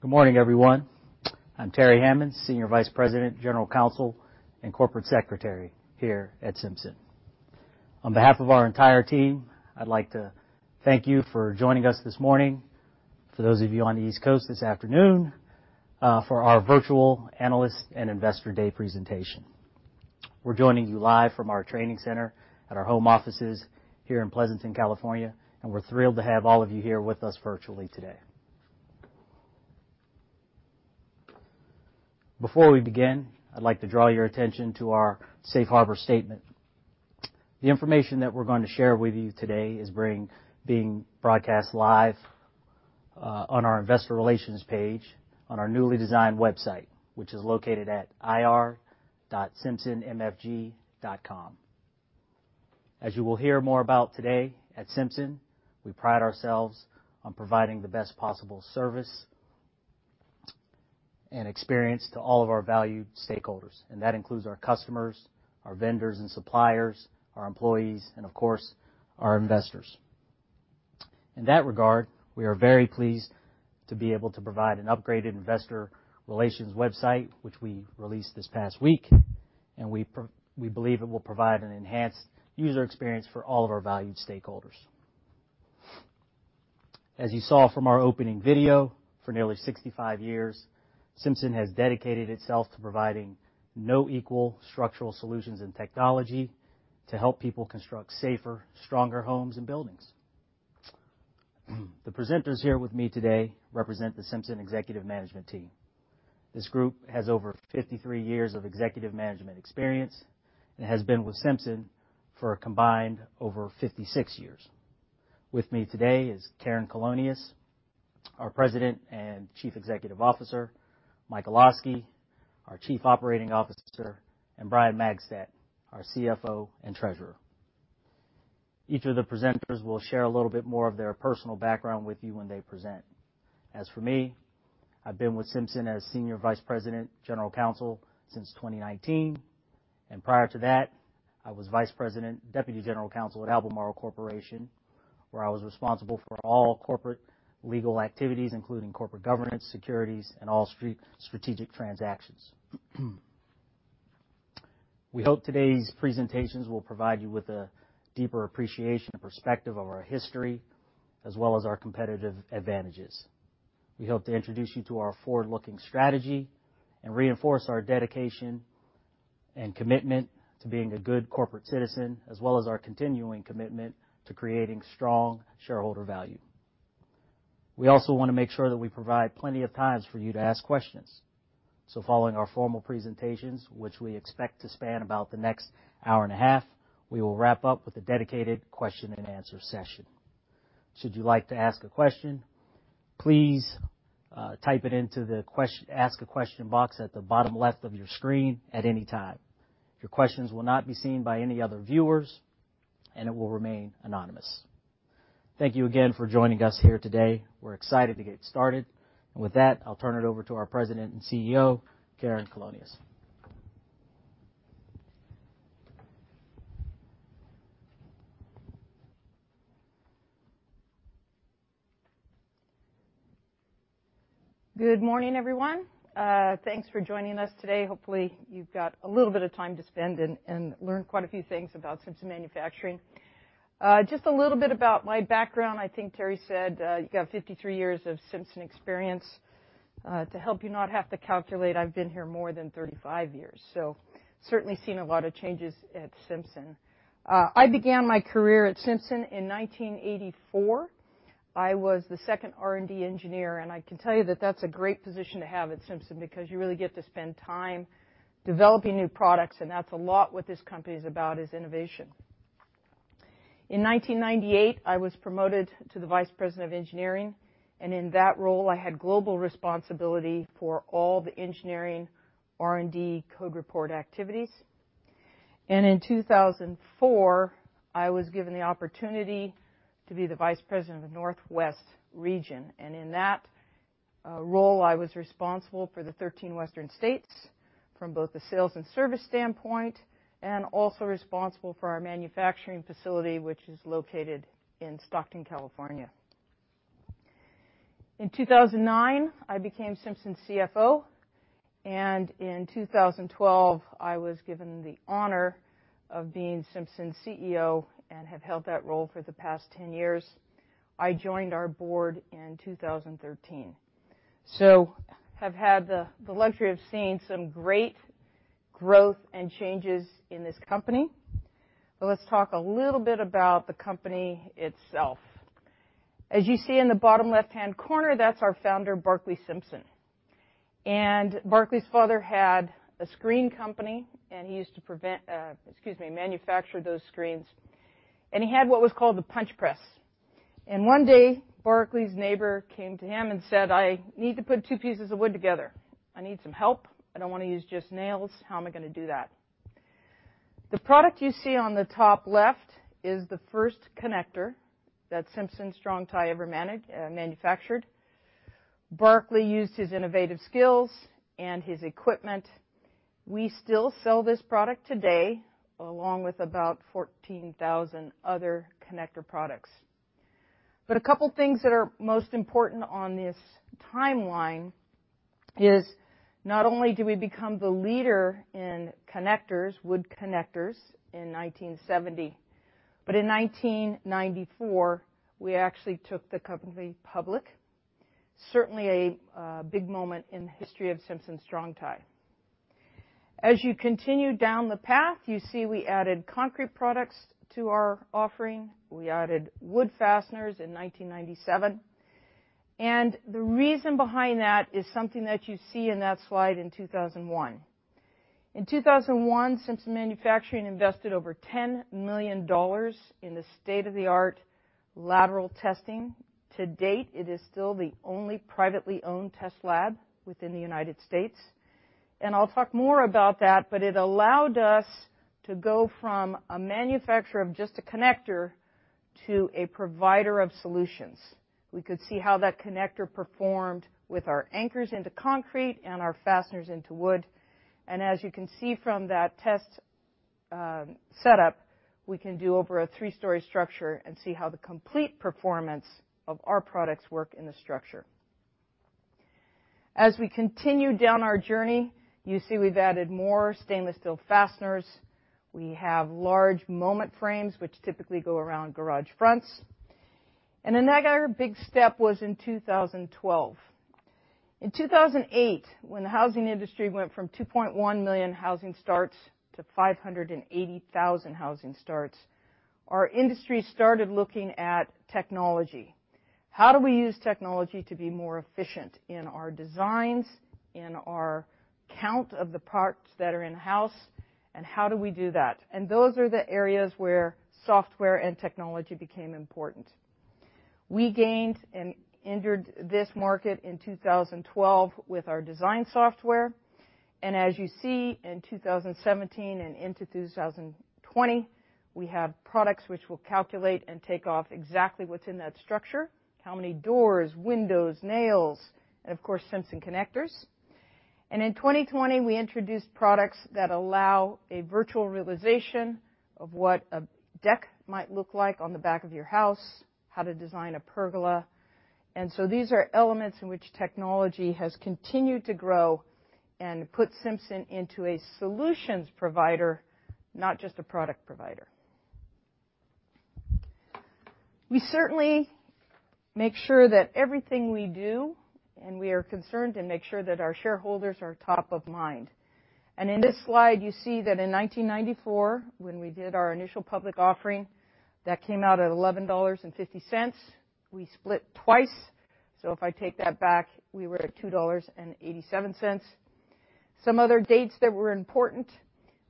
Good morning, everyone. I'm Terry Hammons, Senior Vice President, General Counsel, and Corporate Secretary here at Simpson. On behalf of our entire team, I'd like to thank you for joining us this morning, for those of you on the East Coast this afternoon, for our Virtual Analyst and Investor Day presentation. We're joining you live from our training center at our home offices here in Pleasanton, California, and we're thrilled to have all of you here with us virtually today. Before we begin, I'd like to draw your attention to our Safe Harbor Statement. The information that we're going to share with you today is being broadcast live on our Investor Relations page on our newly designed website, which is located at ir.simpsonmfg.com. As you will hear more about today, at Simpson, we pride ourselves on providing the best possible service and experience to all of our valued stakeholders, and that includes our customers, our vendors and suppliers, our employees, and of course, our investors. In that regard, we are very pleased to be able to provide an upgraded Investor Relations website, which we released this past week, and we believe it will provide an enhanced user experience for all of our valued stakeholders. As you saw from our opening video, for nearly 65 years, Simpson has dedicated itself to providing No-Equal structural solutions and technology to help people construct safer, stronger homes and buildings. The presenters here with me today represent the Simpson Executive Management Team. This group has over 53 years of executive management experience and has been with Simpson for a combined over 56 years. With me today is Karen Colonias, our President and Chief Executive Officer, Michael Olosky, our Chief Operating Officer, and Brian Magstadt, our CFO and Treasurer. Each of the presenters will share a little bit more of their personal background with you when they present. As for me, I've been with Simpson as Senior Vice President, General Counsel, since 2019, and prior to that, I was Vice President, Deputy General Counsel at Albemarle Corporation, where I was responsible for all corporate legal activities, including corporate governance, securities, and all strategic transactions. We hope today's presentations will provide you with a deeper appreciation and perspective of our history, as well as our competitive advantages. We hope to introduce you to our forward-looking strategy and reinforce our dedication and commitment to being a good corporate citizen, as well as our continuing commitment to creating strong shareholder value. We also want to make sure that we provide plenty of time for you to ask questions. So, following our formal presentations, which we expect to span about the next hour and a half, we will wrap up with a dedicated question-and-answer session. Should you like to ask a question, please type it into the Ask a Question box at the bottom left of your screen at any time. Your questions will not be seen by any other viewers, and it will remain anonymous. Thank you again for joining us here today. We're excited to get started, and with that, I'll turn it over to our President and CEO, Karen Colonias. Good morning, everyone. Thanks for joining us today. Hopefully, you've got a little bit of time to spend and learn quite a few things about Simpson Manufacturing. Just a little bit about my background, I think Terry said, you've got 53 years of Simpson experience. To help you not have to calculate, I've been here more than 35 years, so certainly seen a lot of changes at Simpson. I began my career at Simpson in 1984. I was the second R&D engineer, and I can tell you that that's a great position to have at Simpson because you really get to spend time developing new products, and that's a lot what this company is about, is innovation. In 1998, I was promoted to the Vice President of Engineering, and in that role, I had global responsibility for all the engineering, R&D, code report activities. In 2004, I was given the opportunity to be the Vice President of the Northwest Region, and in that role, I was responsible for the 13 western states from both the sales and service standpoint and also responsible for our manufacturing facility, which is located in Stockton, California. In 2009, I became Simpson's CFO, and in 2012, I was given the honor of being Simpson's CEO and have held that role for the past 10 years. I joined our board in 2013. I have had the luxury of seeing some great growth and changes in this company. Let's talk a little bit about the company itself. As you see in the bottom left-hand corner, that's our founder, Barclay Simpson. Barclay's father had a screen company, and he used to manufacture those screens, and he had what was called the punch press. One day, Barclay's neighbor came to him and said, "I need to put two pieces of wood together. I need some help. I don't want to use just nails. How am I going to do that?" The product you see on the top left is the first connector that Simpson Strong-Tie ever manufactured. Barclay used his innovative skills and his equipment. We still sell this product today, along with about 14,000 other connector products. A couple of things that are most important on this timeline is not only did we become the leader in connectors, wood connectors, in 1970, but in 1994, we actually took the company public, certainly a big moment in the history of Simpson Strong-Tie. As you continue down the path, you see we added concrete products to our offering. We added wood fasteners in 1997. And the reason behind that is something that you see in that slide in 2001. In 2001, Simpson Manufacturing invested over $10 million in the state-of-the-art lateral testing. To date, it is still the only privately owned test lab within the United States. And I'll talk more about that, but it allowed us to go from a manufacturer of just a connector to a provider of solutions. We could see how that connector performed with our anchors into concrete and our fasteners into wood. And as you can see from that test setup, we can do over a three-story structure and see how the complete performance of our products works in the structure. As we continue down our journey, you see we've added more stainless steel fasteners. We have large moment frames, which typically go around garage fronts. And then that other big step was in 2012. In 2008, when the housing industry went from 2.1 million housing starts to 580,000 housing starts, our industry started looking at technology. How do we use technology to be more efficient in our designs, in our count of the parts that are in-house, and how do we do that? And those are the areas where software and technology became important. We gained and entered this market in 2012 with our design software. And as you see, in 2017 and into 2020, we have products which will calculate and take off exactly what's in that structure: how many doors, windows, nails, and of course, Simpson connectors. And in 2020, we introduced products that allow a virtual realization of what a deck might look like on the back of your house, how to design a pergola. And so these are elements in which technology has continued to grow and put Simpson into a solutions provider, not just a product provider. We certainly make sure that everything we do, and we are concerned to make sure that our shareholders are top of mind. And in this slide, you see that in 1994, when we did our initial public offering, that came out at $11.50. We split twice, so if I take that back, we were at $2.87. Some other dates that were important,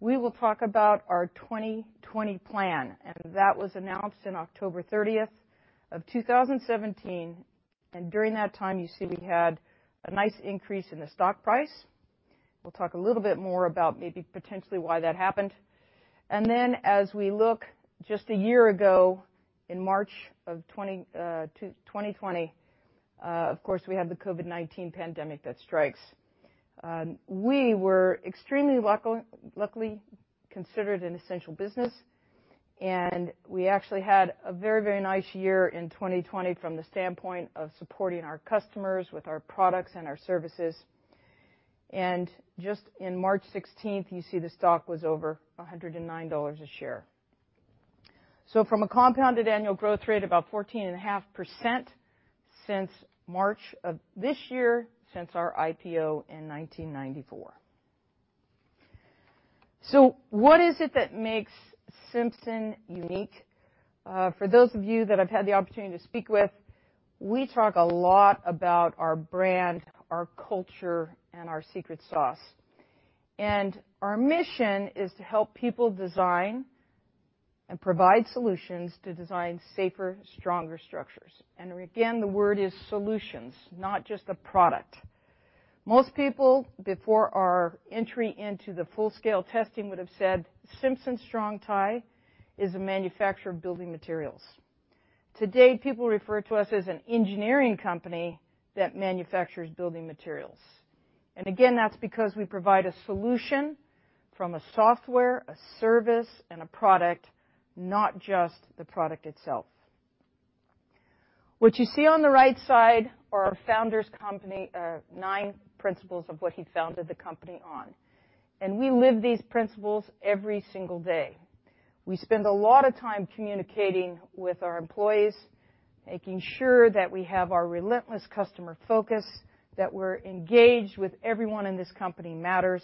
we will talk about our 2020 Plan, and that was announced on October 30th of 2017. And during that time, you see we had a nice increase in the stock price. We'll talk a little bit more about maybe potentially why that happened. And then, as we look just a year ago, in March of 2020, of course, we had the COVID-19 pandemic that strikes. We were extremely luckily considered an essential business, and we actually had a very, very nice year in 2020 from the standpoint of supporting our customers with our products and our services. And just on March 16th, you see the stock was over $109 a share. So from a compounded annual growth rate of about 14.5% since March of this year, since our IPO in 1994. So what is it that makes Simpson unique? For those of you that I've had the opportunity to speak with, we talk a lot about our brand, our culture, and our secret sauce. And our mission is to help people design and provide solutions to design safer, stronger structures. And again, the word is solutions, not just a product. Most people, before our entry into the full-scale testing, would have said Simpson Strong-Tie is a manufacturer of building materials. Today, people refer to us as an engineering company that manufactures building materials. And again, that's because we provide a solution from a software, a service, and a product, not just the product itself. What you see on the right side are our founder's company, nine principles of what he founded the company on. And we live these principles every single day. We spend a lot of time communicating with our employees, making sure that we have our relentless customer focus, that we're engaged with everyone in this company matters,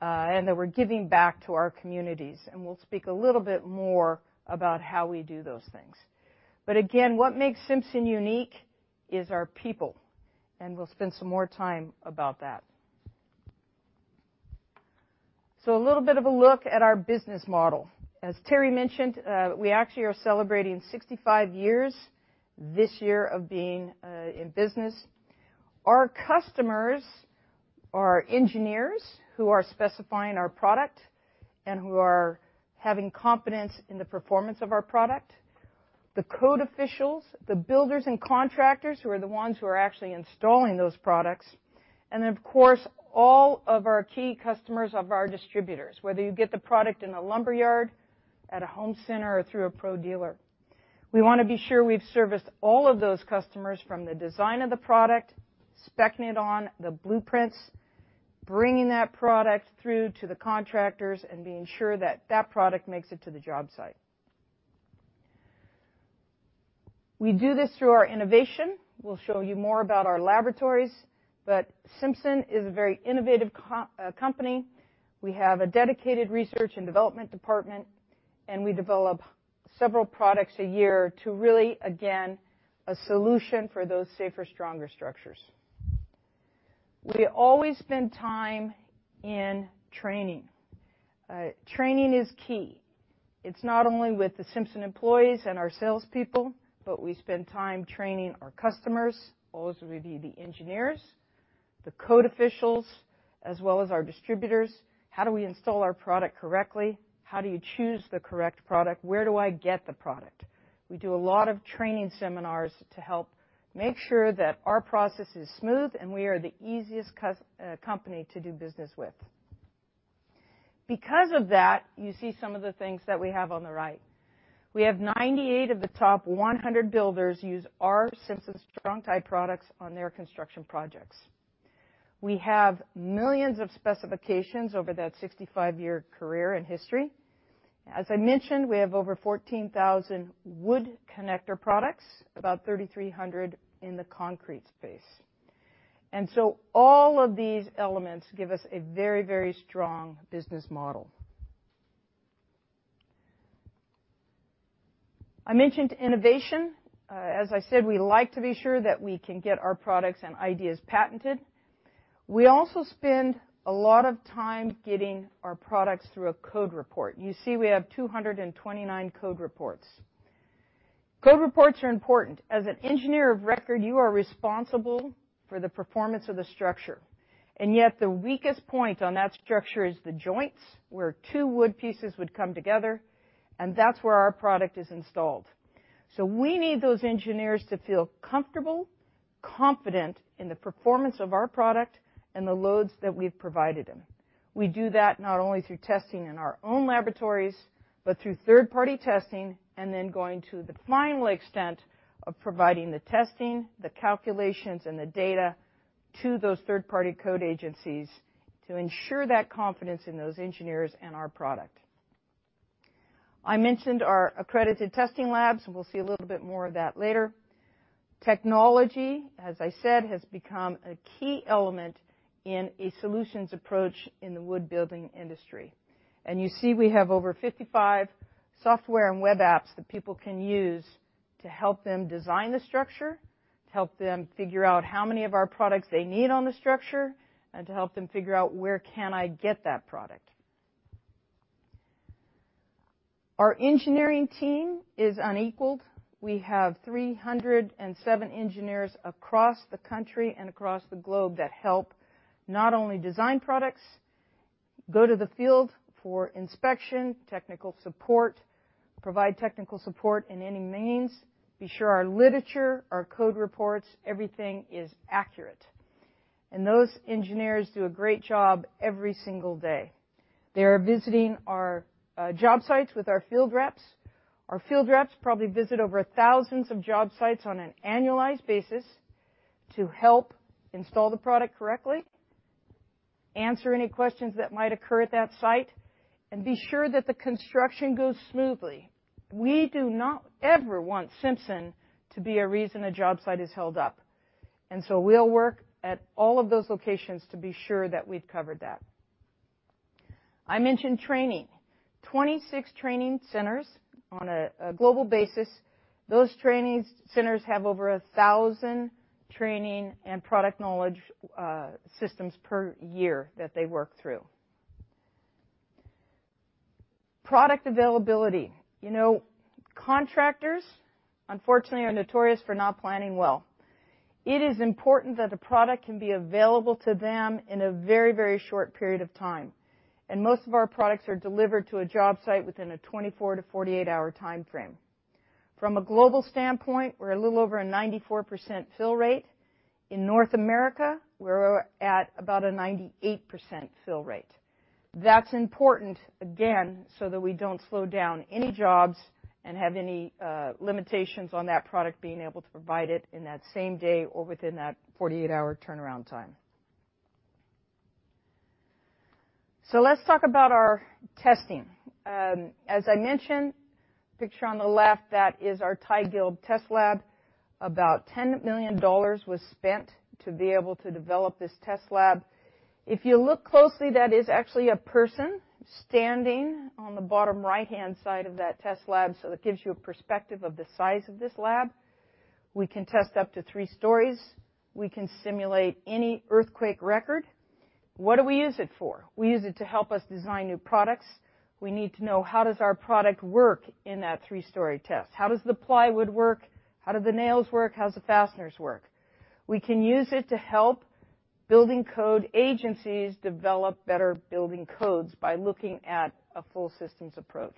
and that we're giving back to our communities. And we'll speak a little bit more about how we do those things. But again, what makes Simpson unique is our people, and we'll spend some more time about that. So a little bit of a look at our business model. As Terry mentioned, we actually are celebrating 65 years this year of being in business. Our customers are engineers who are specifying our product and who are having confidence in the performance of our product, the code officials, the builders and contractors who are the ones who are actually installing those products, and then, of course, all of our key customers of our distributors, whether you get the product in a lumber yard, at a home center, or through a pro dealer. We want to be sure we've serviced all of those customers from the design of the product, speccing it on, the blueprints, bringing that product through to the contractors, and being sure that that product makes it to the job site. We do this through our innovation. We'll show you more about our laboratories, but Simpson is a very innovative company. We have a dedicated research and development department, and we develop several products a year to really, again, a solution for those safer, stronger structures. We always spend time in training. Training is key. It's not only with the Simpson employees and our salespeople, but we spend time training our customers, those would be the engineers, the code officials, as well as our distributors. How do we install our product correctly? How do you choose the correct product? Where do I get the product? We do a lot of training seminars to help make sure that our process is smooth and we are the easiest company to do business with. Because of that, you see some of the things that we have on the right. We have 98 of the top 100 builders use our Simpson Strong-Tie products on their construction projects. We have millions of specifications over that 65-year career and history. As I mentioned, we have over 14,000 wood connector products, about 3,300 in the concrete space, and so all of these elements give us a very, very strong business model. I mentioned innovation. As I said, we like to be sure that we can get our products and ideas patented. We also spend a lot of time getting our products through a code report. You see, we have 229 code reports. Code reports are important. As an engineer of record, you are responsible for the performance of the structure, and yet the weakest point on that structure is the joints where two wood pieces would come together, and that's where our product is installed. We need those engineers to feel comfortable, confident in the performance of our product and the loads that we've provided them. We do that not only through testing in our own laboratories, but through third-party testing and then going to the final extent of providing the testing, the calculations, and the data to those third-party code agencies to ensure that confidence in those engineers and our product. I mentioned our accredited testing labs, and we'll see a little bit more of that later. Technology, as I said, has become a key element in a solutions approach in the wood building industry. You see we have over 55 software and web apps that people can use to help them design the structure, to help them figure out how many of our products they need on the structure, and to help them figure out where can I get that product. Our engineering team is unequaled. We have 307 engineers across the country and across the globe that help not only design products, go to the field for inspection, technical support, provide technical support in any means, be sure our literature, our code reports, everything is accurate, and those engineers do a great job every single day. They are visiting our job sites with our field reps. Our field reps probably visit over thousands of job sites on an annualized basis to help install the product correctly, answer any questions that might occur at that site, and be sure that the construction goes smoothly. We do not ever want Simpson to be a reason a job site is held up, and so we'll work at all of those locations to be sure that we've covered that. I mentioned training. 26 training centers on a global basis. Those training centers have over 1,000 training and product knowledge systems per year that they work through. Product availability. You know, contractors, unfortunately, are notorious for not planning well. It is important that the product can be available to them in a very, very short period of time, and most of our products are delivered to a job site within a 24-48-hour time frame. From a global standpoint, we're a little over a 94% fill rate. In North America, we're at about a 98% fill rate. That's important, again, so that we don't slow down any jobs and have any limitations on that product being able to provide it in that same day or within that 48-hour turnaround time, so let's talk about our testing. As I mentioned, picture on the left, that is our Tyrell Gilb test lab. About $10 million was spent to be able to develop this test lab. If you look closely, that is actually a person standing on the bottom right-hand side of that test lab, so that gives you a perspective of the size of this lab. We can test up to three stories. We can simulate any earthquake record. What do we use it for? We use it to help us design new products. We need to know how does our product work in that three-story test. How does the plywood work? How do the nails work? How does the fasteners work? We can use it to help building code agencies develop better building codes by looking at a full systems approach.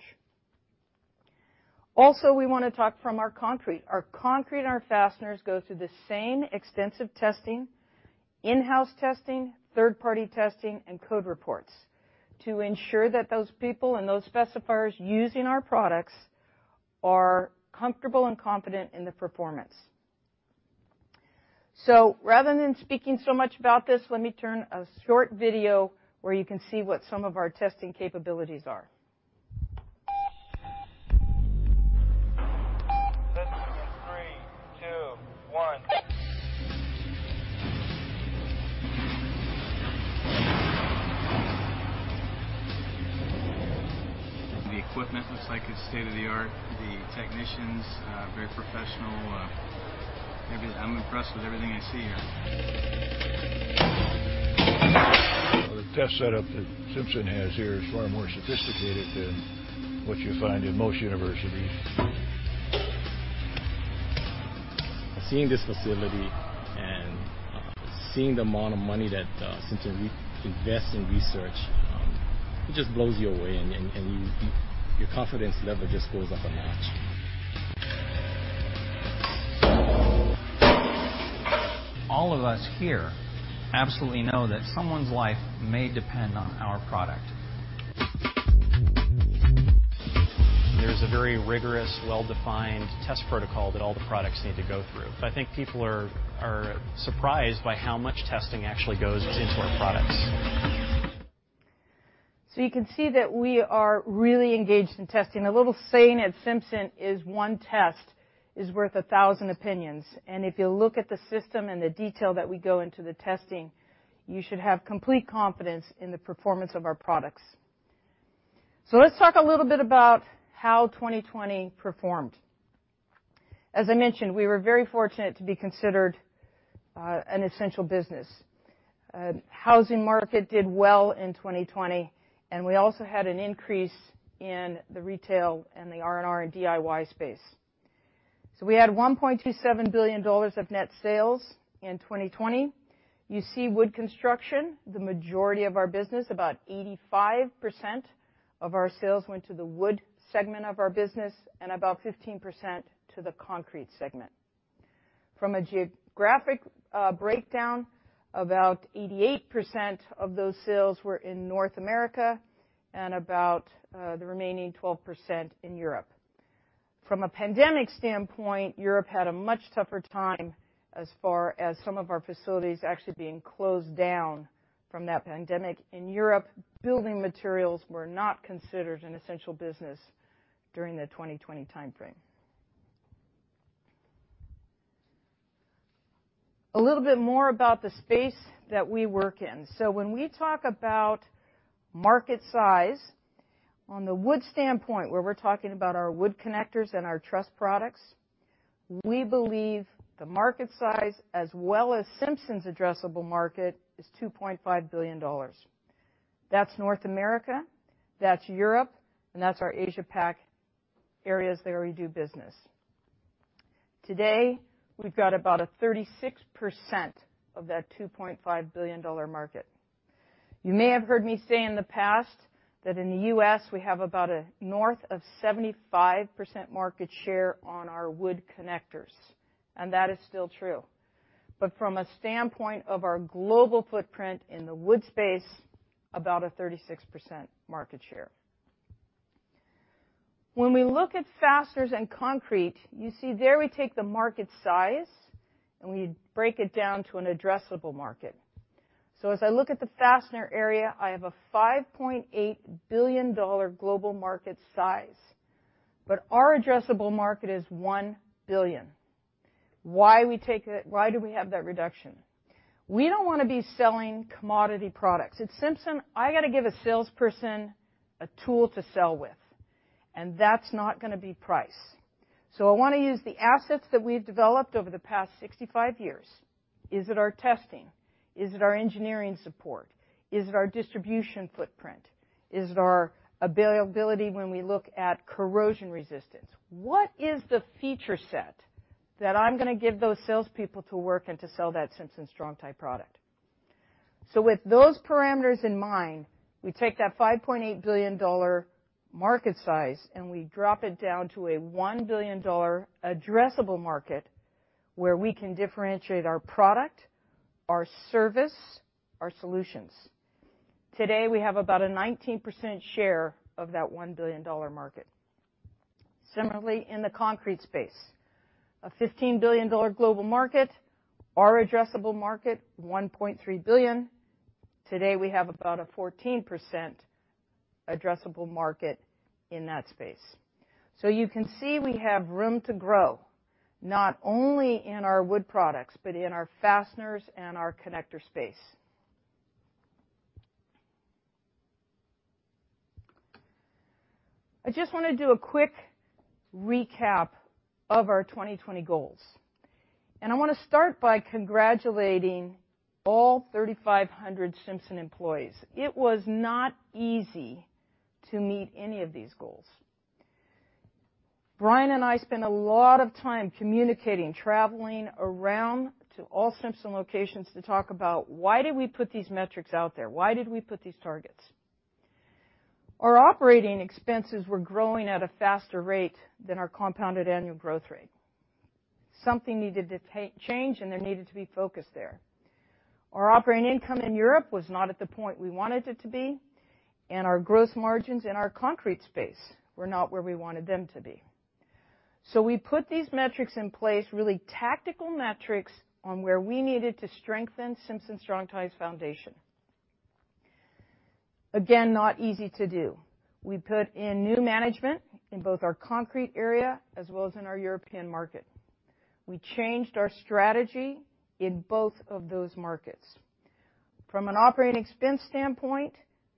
Also, we want to talk from our concrete. Our concrete and our fasteners go through the same extensive testing, in-house testing, third-party testing, and code reports to ensure that those people and those specifiers using our products are comfortable and confident in the performance. So rather than speaking so much about this, let me turn to a short video where you can see what some of our testing capabilities are. The equipment looks like it's state-of-the-art. The technicians are very professional. I'm impressed with everything I see here. The test setup that Simpson has here is far more sophisticated than what you find in most universities. Seeing this facility and seeing the amount of money that Simpson invests in research, it just blows you away, and your confidence level just goes up a notch. All of us here absolutely know that someone's life may depend on our product. There is a very rigorous, well-defined test protocol that all the products need to go through. I think people are surprised by how much testing actually goes into our products. So you can see that we are really engaged in testing. A little saying at Simpson is one test is worth a thousand opinions. And if you look at the system and the detail that we go into the testing, you should have complete confidence in the performance of our products. So let's talk a little bit about how 2020 performed. As I mentioned, we were very fortunate to be considered an essential business. Housing market did well in 2020, and we also had an increase in the retail and the R&R and DIY space. So we had $1.27 billion of net sales in 2020. You see wood construction, the majority of our business, about 85% of our sales went to the wood segment of our business and about 15% to the concrete segment. From a geographic breakdown, about 88% of those sales were in North America and about the remaining 12% in Europe. From a pandemic standpoint, Europe had a much tougher time as far as some of our facilities actually being closed down from that pandemic. In Europe, building materials were not considered an essential business during the 2020 time frame. A little bit more about the space that we work in. So when we talk about market size, on the wood standpoint, where we're talking about our wood connectors and our truss products, we believe the market size, as well as Simpson's addressable market, is $2.5 billion. That's North America, that's Europe, and that's our Asia-Pac areas there we do business. Today, we've got about a 36% of that $2.5 billion market. You may have heard me say in the past that in the U.S., we have about a north of 75% market share on our wood connectors, and that is still true. But from a standpoint of our global footprint in the wood space, about a 36% market share. When we look at fasteners and concrete, you see there we take the market size and we break it down to an addressable market. So as I look at the fastener area, I have a $5.8 billion global market size, but our addressable market is $1 billion. Why do we have that reduction? We don't want to be selling commodity products. At Simpson, I got to give a salesperson a tool to sell with, and that's not going to be price. So I want to use the assets that we've developed over the past 65 years. Is it our testing? Is it our engineering support? Is it our distribution footprint? Is it our availability when we look at corrosion resistance? What is the feature set that I'm going to give those salespeople to work and to sell that Simpson Strong-Tie product? So with those parameters in mind, we take that $5.8 billion market size and we drop it down to a $1 billion addressable market where we can differentiate our product, our service, our solutions. Today, we have about a 19% share of that $1 billion market. Similarly, in the concrete space, a $15 billion global market, our addressable market, $1.3 billion. Today, we have about a 14% addressable market in that space. So you can see we have room to grow not only in our wood products, but in our fasteners and our connector space. I just want to do a quick recap of our 2020 goals. And I want to start by congratulating all 3,500 Simpson employees. It was not easy to meet any of these goals. Brian and I spent a lot of time communicating, traveling around to all Simpson locations to talk about why did we put these metrics out there? Why did we put these targets? Our operating expenses were growing at a faster rate than our compounded annual growth rate. Something needed to change, and there needed to be focus there. Our operating income in Europe was not at the point we wanted it to be, and our gross margins in our concrete space were not where we wanted them to be. So we put these metrics in place, really tactical metrics, on where we needed to strengthen Simpson Strong-Tie's foundation. Again, not easy to do. We put in new management in both our concrete area as well as in our European market. We changed our strategy in both of those markets. From an operating expense standpoint,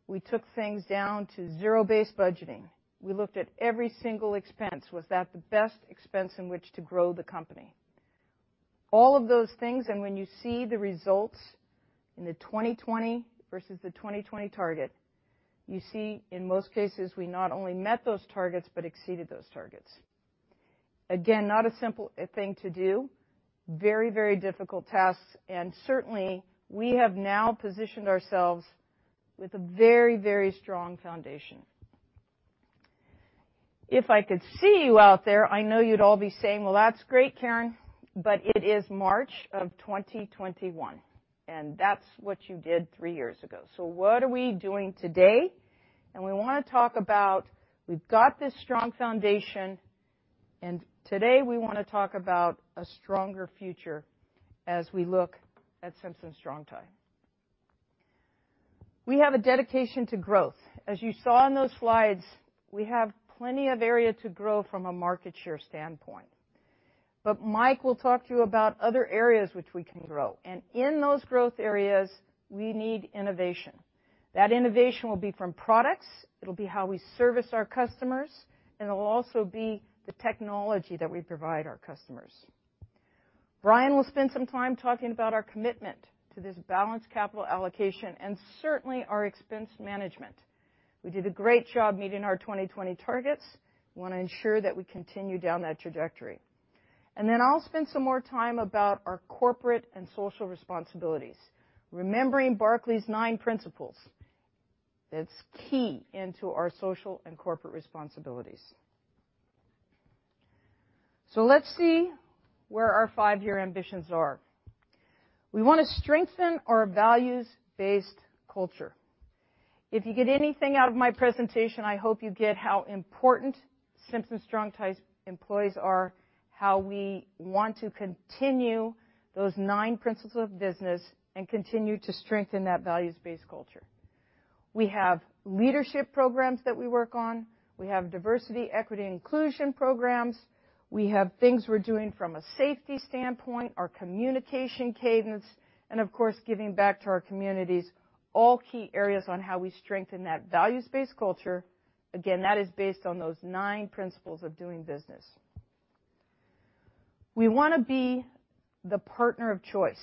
we took things down to zero-based budgeting. We looked at every single expense. Was that the best expense in which to grow the company? All of those things, and when you see the results in the 2020 versus the 2020 target, you see in most cases we not only met those targets but exceeded those targets. Again, not a simple thing to do, very, very difficult tasks. And certainly, we have now positioned ourselves with a very, very strong foundation. If I could see you out there, I know you'd all be saying, "Well, that's great, Karen, but it is March of 2021, and that's what you did three years ago." So what are we doing today? And we want to talk about we've got this strong foundation, and today we want to talk about a stronger future as we look at Simpson Strong-Tie. We have a dedication to growth. As you saw in those slides, we have plenty of area to grow from a market share standpoint. But Mike will talk to you about other areas which we can grow. And in those growth areas, we need innovation. That innovation will be from products, it'll be how we service our customers, and it'll also be the technology that we provide our customers. Brian will spend some time talking about our commitment to this balanced capital allocation and certainly our expense management. We did a great job meeting our 2020 targets. We want to ensure that we continue down that trajectory, and then I'll spend some more time about our corporate and social responsibilities, remembering Barclay's nine principles that's key to our social and corporate responsibilities. Let's see where our five-year ambitions are. We want to strengthen our values-based culture. If you get anything out of my presentation, I hope you get how important Simpson Strong-Tie's employees are, how we want to continue those nine principles of business and continue to strengthen that values-based culture. We have leadership programs that we work on. We have diversity, equity, and inclusion programs. We have things we're doing from a safety standpoint, our communication cadence, and of course, giving back to our communities, all key areas on how we strengthen that values-based culture. Again, that is based on those nine principles of doing business. We want to be the partner of choice,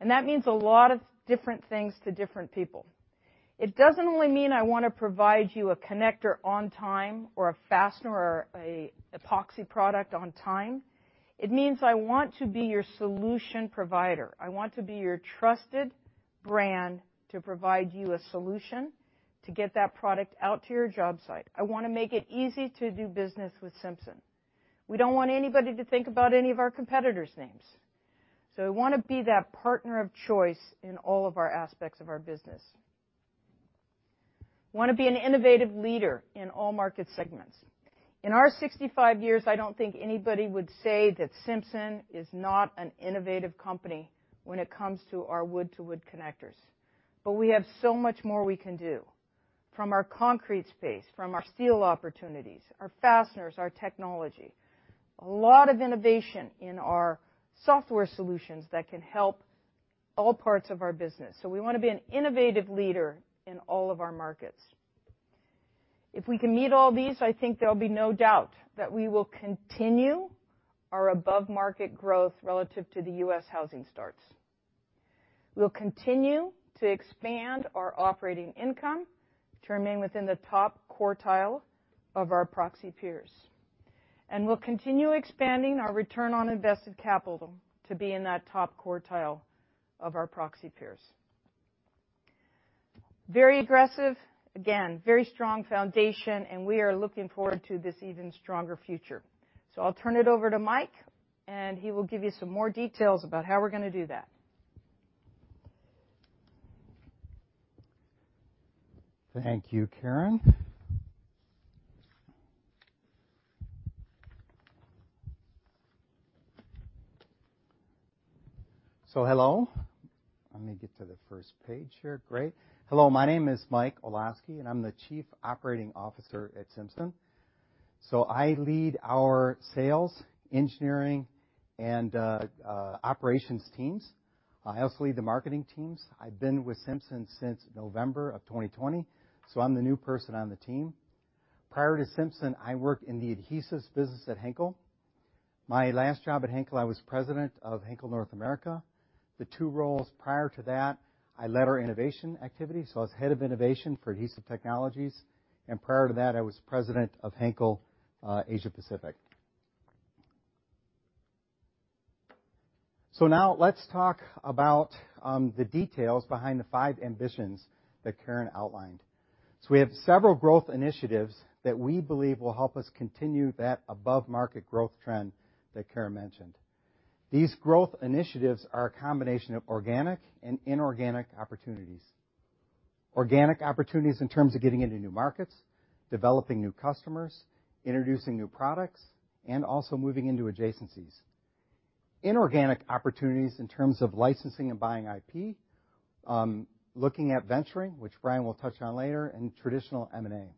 and that means a lot of different things to different people. It doesn't only mean I want to provide you a connector on time or a fastener or an epoxy product on time. It means I want to be your solution provider. I want to be your trusted brand to provide you a solution to get that product out to your job site. I want to make it easy to do business with Simpson. We don't want anybody to think about any of our competitors' names. So we want to be that partner of choice in all of our aspects of our business. Want to be an innovative leader in all market segments. In our 65 years, I don't think anybody would say that Simpson is not an innovative company when it comes to our wood-to-wood connectors. But we have so much more we can do from our concrete space, from our steel opportunities, our fasteners, our technology, a lot of innovation in our software solutions that can help all parts of our business. So we want to be an innovative leader in all of our markets. If we can meet all these, I think there'll be no doubt that we will continue our above-market growth relative to the U.S. housing starts. We'll continue to expand our operating income to remain within the top quartile of our proxy peers. And we'll continue expanding our return on invested capital to be in that top quartile of our proxy peers. Very aggressive, again, very strong foundation, and we are looking forward to this even stronger future. So I'll turn it over to Mike, and he will give you some more details about how we're going to do that. Thank you, Karen. So hello. Let me get to the first page here. Great. Hello. My name is Mike Olosky, and I'm the Chief Operating Officer at Simpson. So I lead our sales, engineering, and operations teams. I also lead the marketing teams. I've been with Simpson since November of 2020, so I'm the new person on the team. Prior to Simpson, I worked in the adhesives business at Henkel. My last job at Henkel, I was President of Henkel North America. The two roles prior to that, I led our innovation activity. I was head of innovation for adhesive technologies. And prior to that, I was president of Henkel Asia-Pacific. Now let's talk about the details behind the five ambitions that Karen outlined. We have several growth initiatives that we believe will help us continue that above-market growth trend that Karen mentioned. These growth initiatives are a combination of organic and inorganic opportunities. Organic opportunities in terms of getting into new markets, developing new customers, introducing new products, and also moving into adjacencies. Inorganic opportunities in terms of licensing and buying IP, looking at venturing, which Brian will touch on later, and traditional M&A.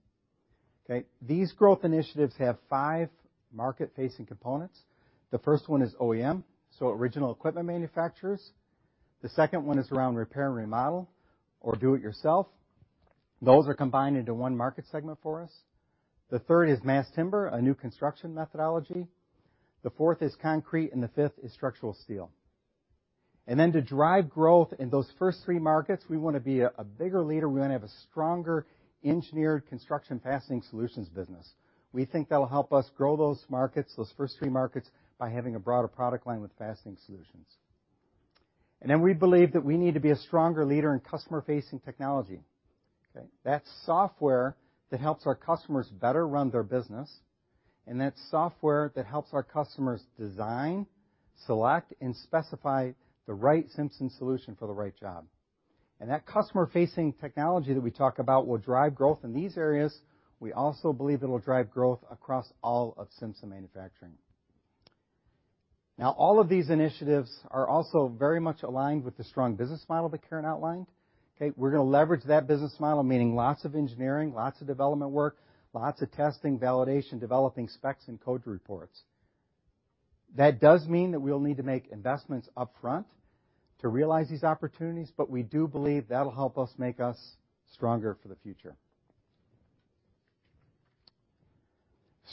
Okay. These growth initiatives have five market-facing components. The first one is OEM, so original equipment manufacturers. The second one is around repair and remodel or do-it-yourself. Those are combined into one market segment for us. The third is mass timber, a new construction methodology. The fourth is concrete, and the fifth is structural steel. And then to drive growth in those first three markets, we want to be a bigger leader. We want to have a stronger engineered construction fastening solutions business. We think that'll help us grow those markets, those first three markets, by having a broader product line with fastening solutions. And then we believe that we need to be a stronger leader in customer-facing technology. Okay. That's software that helps our customers better run their business, and that's software that helps our customers design, select, and specify the right Simpson solution for the right job. And that customer-facing technology that we talk about will drive growth in these areas. We also believe it'll drive growth across all of Simpson Manufacturing. Now, all of these initiatives are also very much aligned with the strong business model that Karen outlined. Okay. We're going to leverage that business model, meaning lots of engineering, lots of development work, lots of testing, validation, developing specs, and code reports. That does mean that we'll need to make investments upfront to realize these opportunities, but we do believe that'll help us make stronger for the future.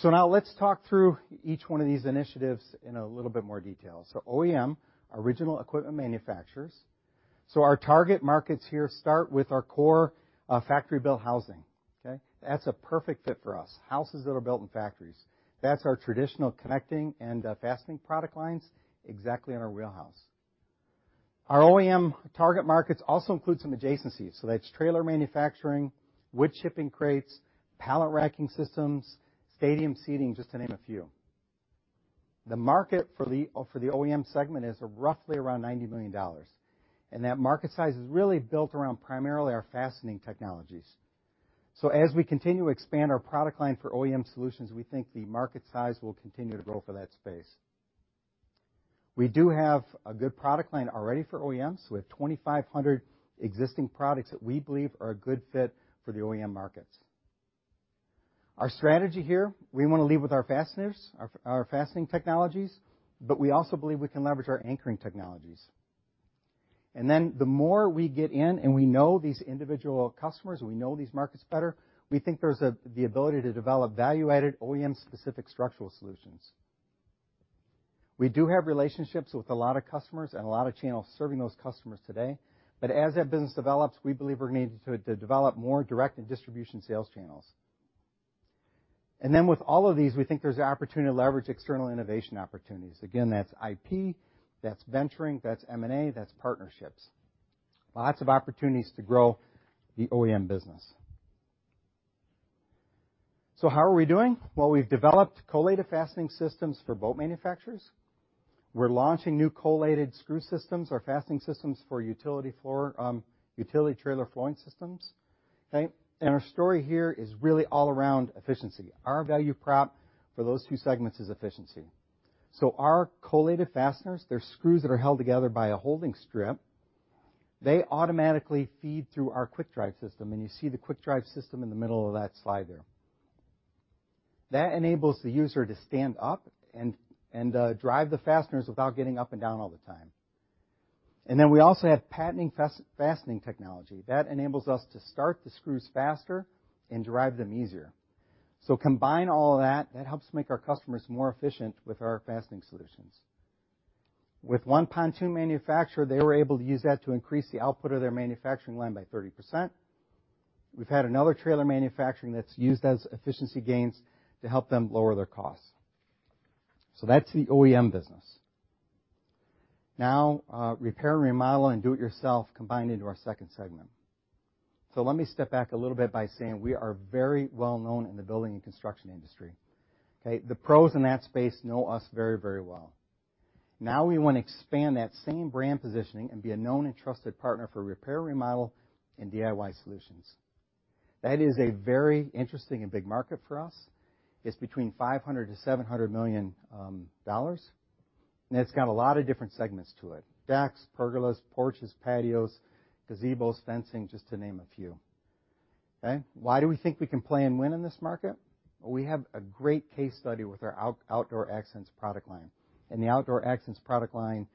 So now let's talk through each one of these initiatives in a little bit more detail. So OEM, original equipment manufacturers. So our target markets here start with our core factory-built housing. Okay. That's a perfect fit for us, houses that are built in factories. That's our traditional connecting and fastening product lines exactly in our wheelhouse. Our OEM target markets also include some adjacencies. So that's trailer manufacturing, wood shipping crates, pallet racking systems, stadium seating, just to name a few. The market for the OEM segment is roughly around $90 million, and that market size is really built around primarily our fastening technologies. So as we continue to expand our product line for OEM solutions, we think the market size will continue to grow for that space. We do have a good product line already for OEMs. We have 2,500 existing products that we believe are a good fit for the OEM markets. Our strategy here, we want to lead with our fasteners, our fastening technologies, but we also believe we can leverage our anchoring technologies. And then the more we get in and we know these individual customers, we know these markets better, we think there's the ability to develop value-added OEM-specific structural solutions. We do have relationships with a lot of customers and a lot of channels serving those customers today. But as that business develops, we believe we're going to need to develop more direct and distribution sales channels. And then with all of these, we think there's an opportunity to leverage external innovation opportunities. Again, that's IP, that's venturing, that's M&A, that's partnerships. Lots of opportunities to grow the OEM business. So how are we doing? Well, we've developed collated fastening systems for boat manufacturers. We're launching new collated screw systems, our fastening systems for utility trailer flooring systems. Okay. And our story here is really all around efficiency. Our value prop for those two segments is efficiency. So our collated fasteners, they're screws that are held together by a holding strip. They automatically feed through our Quik Drive system, and you see the Quik Drive system in the middle of that slide there. That enables the user to stand up and drive the fasteners without getting up and down all the time. And then we also have patented fastening technology. That enables us to start the screws faster and drive them easier. So combine all of that, that helps make our customers more efficient with our fastening solutions. With one pontoon manufacturer, they were able to use that to increase the output of their manufacturing line by 30%. We've had another trailer manufacturer that's used those efficiency gains to help them lower their costs. So that's the OEM business. Now, repair and remodel and do-it-yourself combined into our second segment. So let me step back a little bit by saying we are very well known in the building and construction industry. Okay. The pros in that space know us very, very well. Now we want to expand that same brand positioning and be a known and trusted partner for repair, remodel, and DIY solutions. That is a very interesting and big market for us. It's between $500-$700 million, and it's got a lot of different segments to it: decks, pergolas, porches, patios, gazebos, fencing, just to name a few. Okay. Why do we think we can play and win in this market? Well, we have a great case study with our Outdoor Accents product line. And the Outdoor Accents product line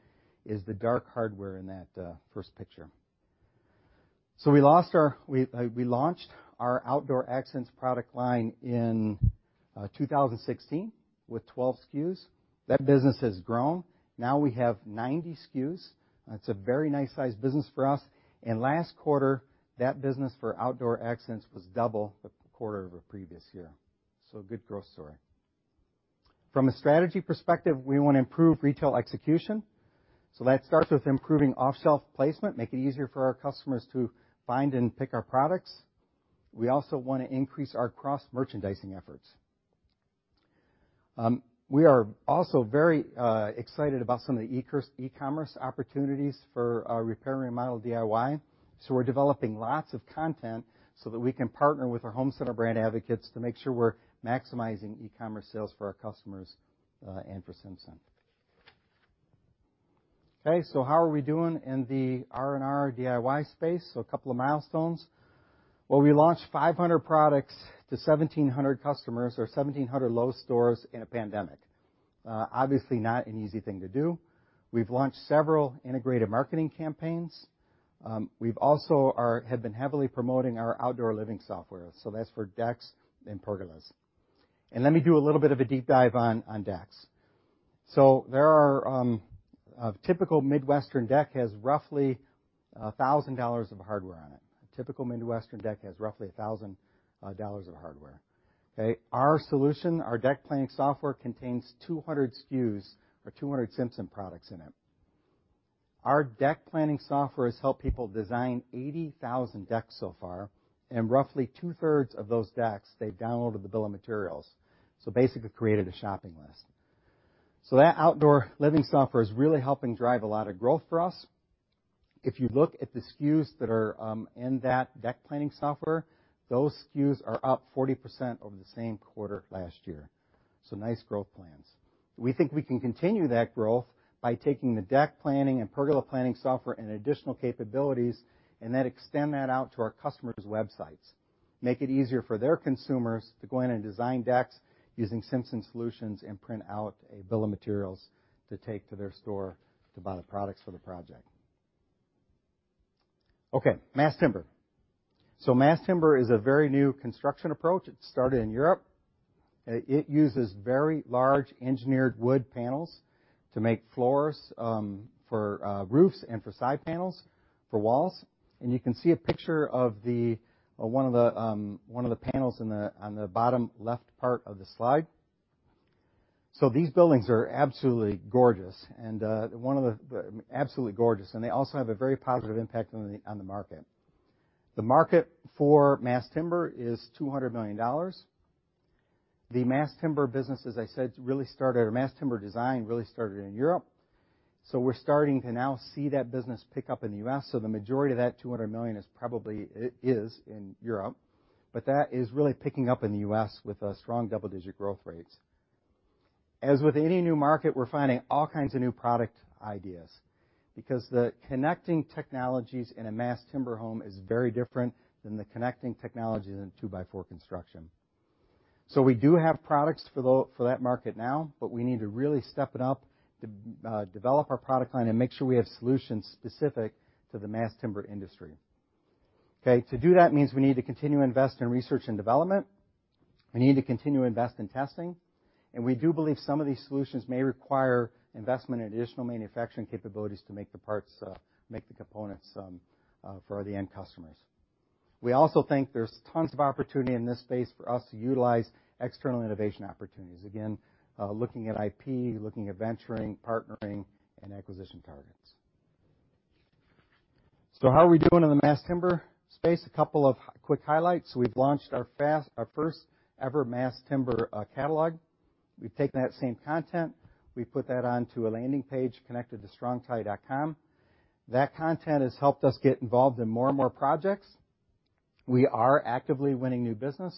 is the dark hardware in that first picture. So we launched our Outdoor Accents product line in 2016 with 12 SKUs. That business has grown. Now we have 90 SKUs. It's a very nice size business for us. And last quarter, that business for Outdoor Accents was double the quarter of a previous year. So a good growth story. From a strategy perspective, we want to improve retail execution. So that starts with improving offshelf placement, making it easier for our customers to find and pick our products. We also want to increase our cross-merchandising efforts. We are also very excited about some of the e-commerce opportunities for repair and remodel DIY. So we're developing lots of content so that we can partner with our home center brand advocates to make sure we're maximizing e-commerce sales for our customers and for Simpson. Okay. So how are we doing in the R&R DIY space? So a couple of milestones. Well, we launched 500 products to 1,700 customers or 1,700 Lowe's stores in a pandemic. Obviously, not an easy thing to do. We've launched several integrated marketing campaigns. We've also been heavily promoting our outdoor living software. So that's for decks and pergolas. Let me do a little bit of a deep dive on decks. A typical Midwestern deck has roughly $1,000 of hardware on it. A typical Midwestern deck has roughly $1,000 of hardware. Okay. Our solution, our deck planning software, contains 200 SKUs or 200 Simpson products in it. Our deck planning software has helped people design 80,000 decks so far, and roughly two-thirds of those decks, they've downloaded the bill of materials. Basically created a shopping list. That outdoor living software is really helping drive a lot of growth for us. If you look at the SKUs that are in that deck planning software, those SKUs are up 40% over the same quarter last year. Nice growth plans. We think we can continue that growth by taking the deck planning and pergola planning software and additional capabilities and then extend that out to our customers' websites, make it easier for their consumers to go in and design decks using Simpson solutions and print out a bill of materials to take to their store to buy the products for the project. Okay. mass timber. So mass timber is a very new construction approach. It started in Europe. It uses very large engineered wood panels to make floors for roofs and for side panels for walls. And you can see a picture of one of the panels on the bottom left part of the slide. So these buildings are absolutely gorgeous, and they also have a very positive impact on the market. The market for mass timber is $200 million. The mass timber business, as I said, really started, or mass timber design really started, in Europe. So we're starting to now see that business pick up in the US. So the majority of that $200 million is probably in Europe, but that is really picking up in the US with strong double-digit growth rates. As with any new market, we're finding all kinds of new product ideas because the connecting technologies in a mass timber home is very different than the connecting technologies in two-by-four construction. So we do have products for that market now, but we need to really step it up to develop our product line and make sure we have solutions specific to the mass timber industry. Okay. To do that means we need to continue to invest in research and development. We need to continue to invest in testing. We do believe some of these solutions may require investment in additional manufacturing capabilities to make the parts, make the components for the end customers. We also think there's tons of opportunity in this space for us to utilize external innovation opportunities. Again, looking at IP, looking at venturing, partnering, and acquisition targets. How are we doing in the mass timber space? A couple of quick highlights. We've launched our first ever mass timber catalog. We've taken that same content. We've put that onto a landing page connected to strongtie.com. That content has helped us get involved in more and more projects. We are actively winning new business,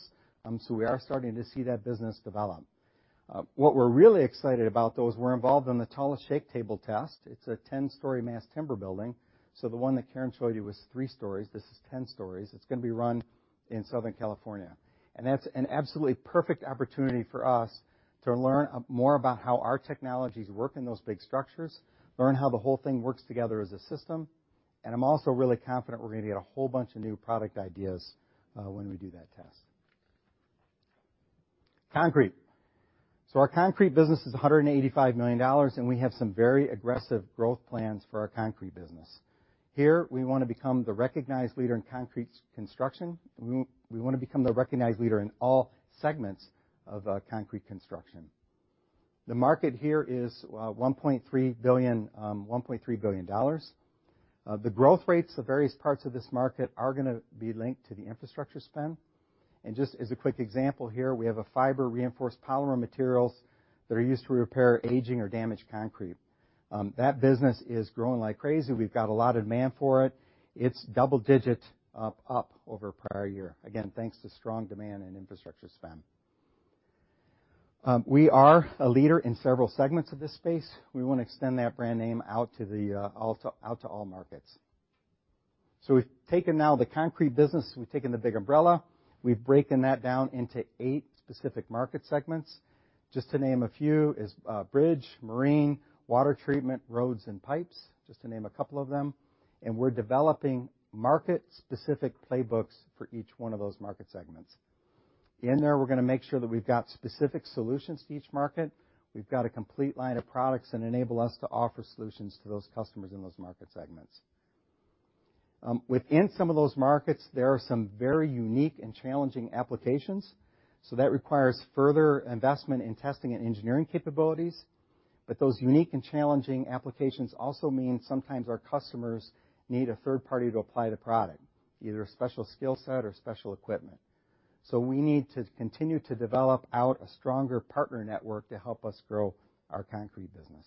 so we are starting to see that business develop. What we're really excited about, though, is we're involved in the TallWood shake table test. It's a 10-story mass timber building. So the one that Karen showed you was three stories. This is 10 stories. It's going to be run in Southern California. And that's an absolutely perfect opportunity for us to learn more about how our technologies work in those big structures, learn how the whole thing works together as a system. And I'm also really confident we're going to get a whole bunch of new product ideas when we do that test. Concrete. So our concrete business is $185 million, and we have some very aggressive growth plans for our concrete business. Here, we want to become the recognized leader in concrete construction. We want to become the recognized leader in all segments of concrete construction. The market here is $1.3 billion. The growth rates of various parts of this market are going to be linked to the infrastructure spend. Just as a quick example here, we have fiber-reinforced polymer materials that are used to repair aging or damaged concrete. That business is growing like crazy. We've got a lot of demand for it. It's double-digit up over a prior year. Again, thanks to strong demand and infrastructure spend. We are a leader in several segments of this space. We want to extend that brand name out to all markets. So we've taken now the concrete business, we've taken the big umbrella, we've broken that down into eight specific market segments. Just to name a few is bridge, marine, water treatment, roads, and pipes, just to name a couple of them. And we're developing market-specific playbooks for each one of those market segments. In there, we're going to make sure that we've got specific solutions to each market. We've got a complete line of products that enable us to offer solutions to those customers in those market segments. Within some of those markets, there are some very unique and challenging applications. So that requires further investment in testing and engineering capabilities. But those unique and challenging applications also mean sometimes our customers need a third party to apply the product, either a special skill set or special equipment. So we need to continue to develop out a stronger partner network to help us grow our concrete business.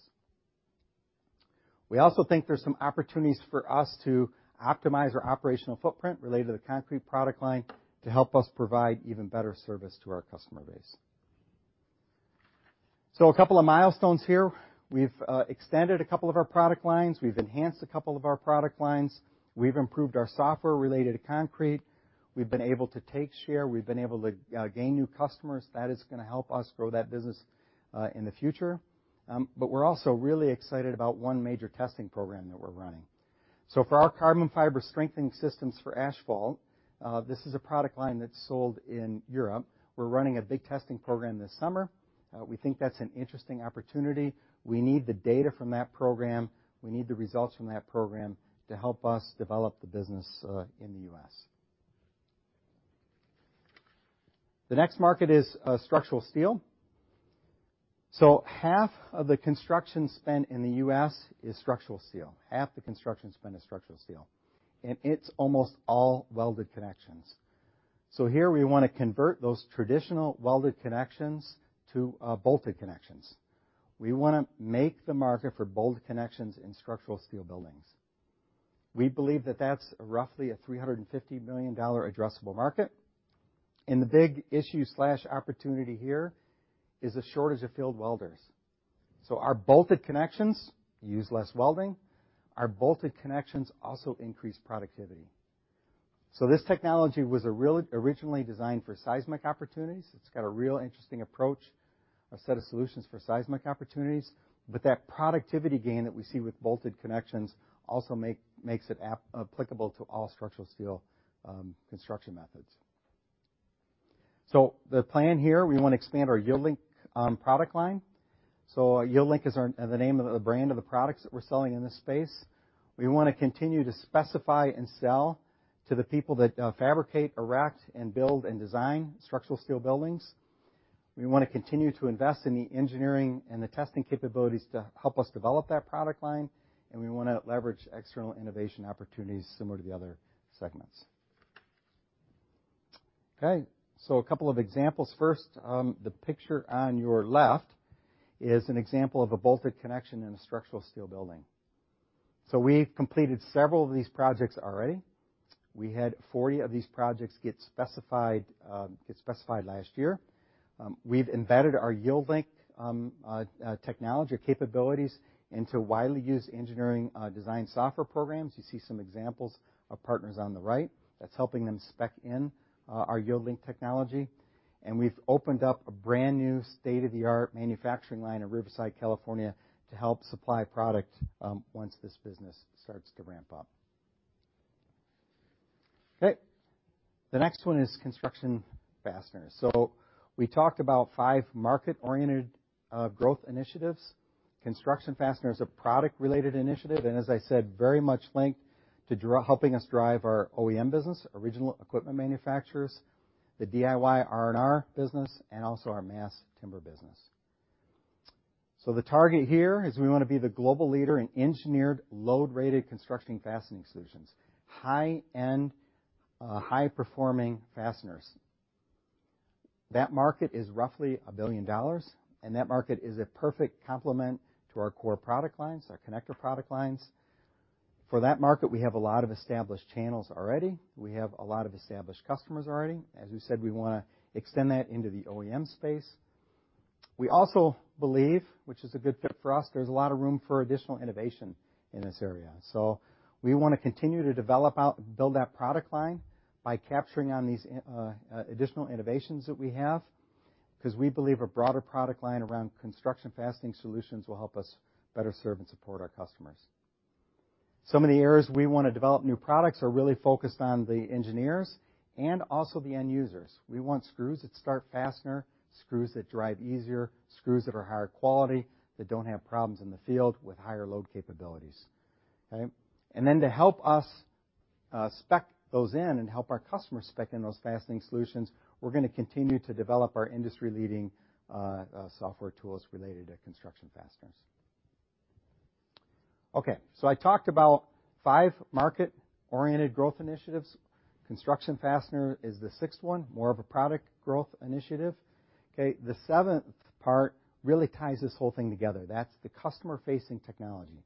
We also think there's some opportunities for us to optimize our operational footprint related to the concrete product line to help us provide even better service to our customer base. So a couple of milestones here. We've extended a couple of our product lines. We've enhanced a couple of our product lines. We've improved our software related to concrete. We've been able to take share. We've been able to gain new customers. That is going to help us grow that business in the future. But we're also really excited about one major testing program that we're running. So for our carbon fiber strengthening systems for asphalt, this is a product line that's sold in Europe. We're running a big testing program this summer. We think that's an interesting opportunity. We need the data from that program. We need the results from that program to help us develop the business in the U.S. The next market is structural steel. So half of the construction spent in the U.S. is structural steel. Half the construction spent is structural steel. And it's almost all welded connections. So here, we want to convert those traditional welded connections to bolted connections. We want to make the market for bolted connections in structural steel buildings. We believe that that's roughly a $350 million addressable market, and the big issue/opportunity here is a shortage of field welders, so our bolted connections use less welding. Our bolted connections also increase productivity, so this technology was originally designed for seismic opportunities. It's got a real interesting approach, a set of solutions for seismic opportunities, but that productivity gain that we see with bolted connections also makes it applicable to all structural steel construction methods, so the plan here, we want to expand our YieldLink product line. So YieldLink is the name of the brand of the products that we're selling in this space. We want to continue to specify and sell to the people that fabricate, erect, and build, and design structural steel buildings. We want to continue to invest in the engineering and the testing capabilities to help us develop that product line. And we want to leverage external innovation opportunities similar to the other segments. Okay. So a couple of examples. First, the picture on your left is an example of a bolted connection in a structural steel building. So we've completed several of these projects already. We had 40 of these projects get specified last year. We've embedded our YieldLink technology or capabilities into widely used engineering design software programs. You see some examples of partners on the right. That's helping them spec in our YieldLink technology. And we've opened up a brand new state-of-the-art manufacturing line in Riverside, California, to help supply product once this business starts to ramp up. Okay. The next one is construction fasteners. So we talked about five market-oriented growth initiatives. Construction fastener is a product-related initiative. And as I said, very much linked to helping us drive our OEM business, original equipment manufacturers, the DIY R&R business, and also our mass timber business. So the target here is we want to be the global leader in engineered load-rated construction fastening solutions, high-end, high-performing fasteners. That market is roughly $1 billion. And that market is a perfect complement to our core product lines, our connector product lines. For that market, we have a lot of established channels already. We have a lot of established customers already. As we said, we want to extend that into the OEM space. We also believe, which is a good fit for us, there's a lot of room for additional innovation in this area. So we want to continue to develop out, build that product line by capturing on these additional innovations that we have because we believe a broader product line around construction fastening solutions will help us better serve and support our customers. Some of the areas we want to develop new products are really focused on the engineers and also the end users. We want screws that start faster, screws that drive easier, screws that are higher quality, that don't have problems in the field with higher load capabilities. Okay. And then to help us spec those in and help our customers spec in those fastening solutions, we're going to continue to develop our industry-leading software tools related to construction fasteners. Okay. So I talked about five market-oriented growth initiatives. Construction fastener is the sixth one, more of a product growth initiative. Okay. The seventh part really ties this whole thing together. That's the customer-facing technology,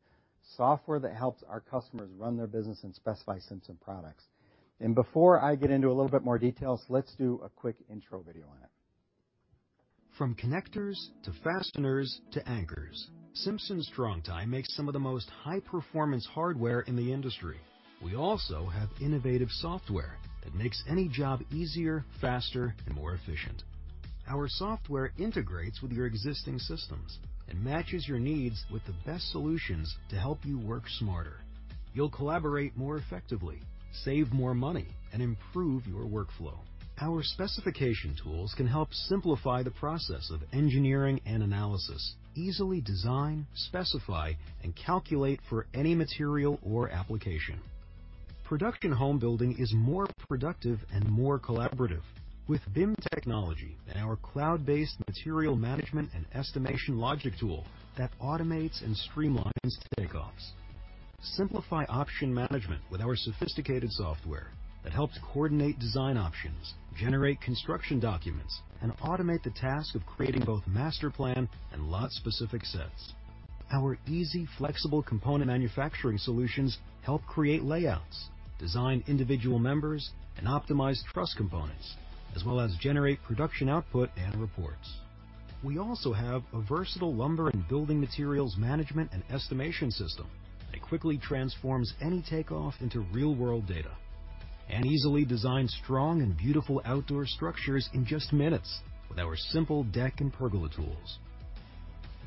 software that helps our customers run their business and specify Simpson products. And before I get into a little bit more details, let's do a quick intro video on it. From connectors to fasteners to anchors, Simpson Strong-Tie makes some of the most high-performance hardware in the industry. We also have innovative software that makes any job easier, faster, and more efficient. Our software integrates with your existing systems and matches your needs with the best solutions to help you work smarter. You'll collaborate more effectively, save more money, and improve your workflow. Our specification tools can help simplify the process of engineering and analysis, easily design, specify, and calculate for any material or application. Production home building is more productive and more collaborative with BIM technology and our cloud-based material management and estimation logic tool that automates and streamlines takeoffs. Simplify option management with our sophisticated software that helps coordinate design options, generate construction documents, and automate the task of creating both master plan and lot-specific sets. Our easy, flexible component manufacturing solutions help create layouts, design individual members, and optimize truss components, as well as generate production output and reports. We also have a versatile lumber and building materials management and estimation system that quickly transforms any takeoff into real-world data and easily designs strong and beautiful outdoor structures in just minutes with our simple deck and pergola tools.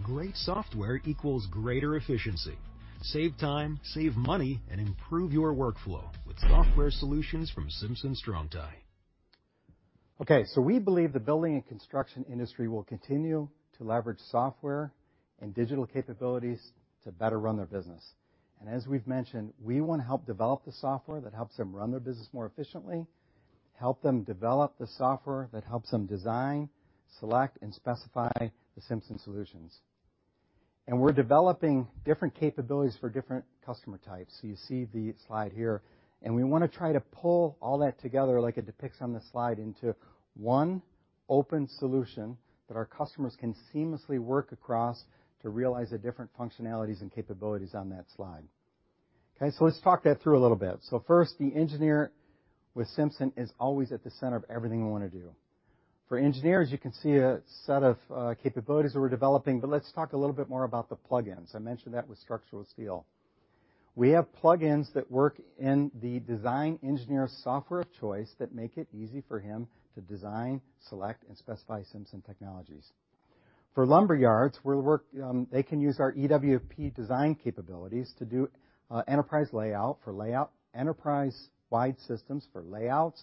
Great software equals greater efficiency. Save time, save money, and improve your workflow with software solutions from Simpson Strong-Tie. Okay. So we believe the building and construction industry will continue to leverage software and digital capabilities to better run their business. And as we've mentioned, we want to help develop the software that helps them run their business more efficiently, help them develop the software that helps them design, select, and specify the Simpson solutions. And we're developing different capabilities for different customer types. So you see the slide here. And we want to try to pull all that together like it depicts on the slide into one open solution that our customers can seamlessly work across to realize the different functionalities and capabilities on that slide. Okay. So let's talk that through a little bit. So first, the engineer with Simpson is always at the center of everything we want to do. For engineers, you can see a set of capabilities that we're developing. But let's talk a little bit more about the plug-ins. I mentioned that with structural steel, we have plug-ins that work in the design engineer's software of choice that make it easy for him to design, select, and specify Simpson technologies. For lumber yards, they can use our EWP design capabilities to do enterprise layout, enterprise-wide systems for layouts,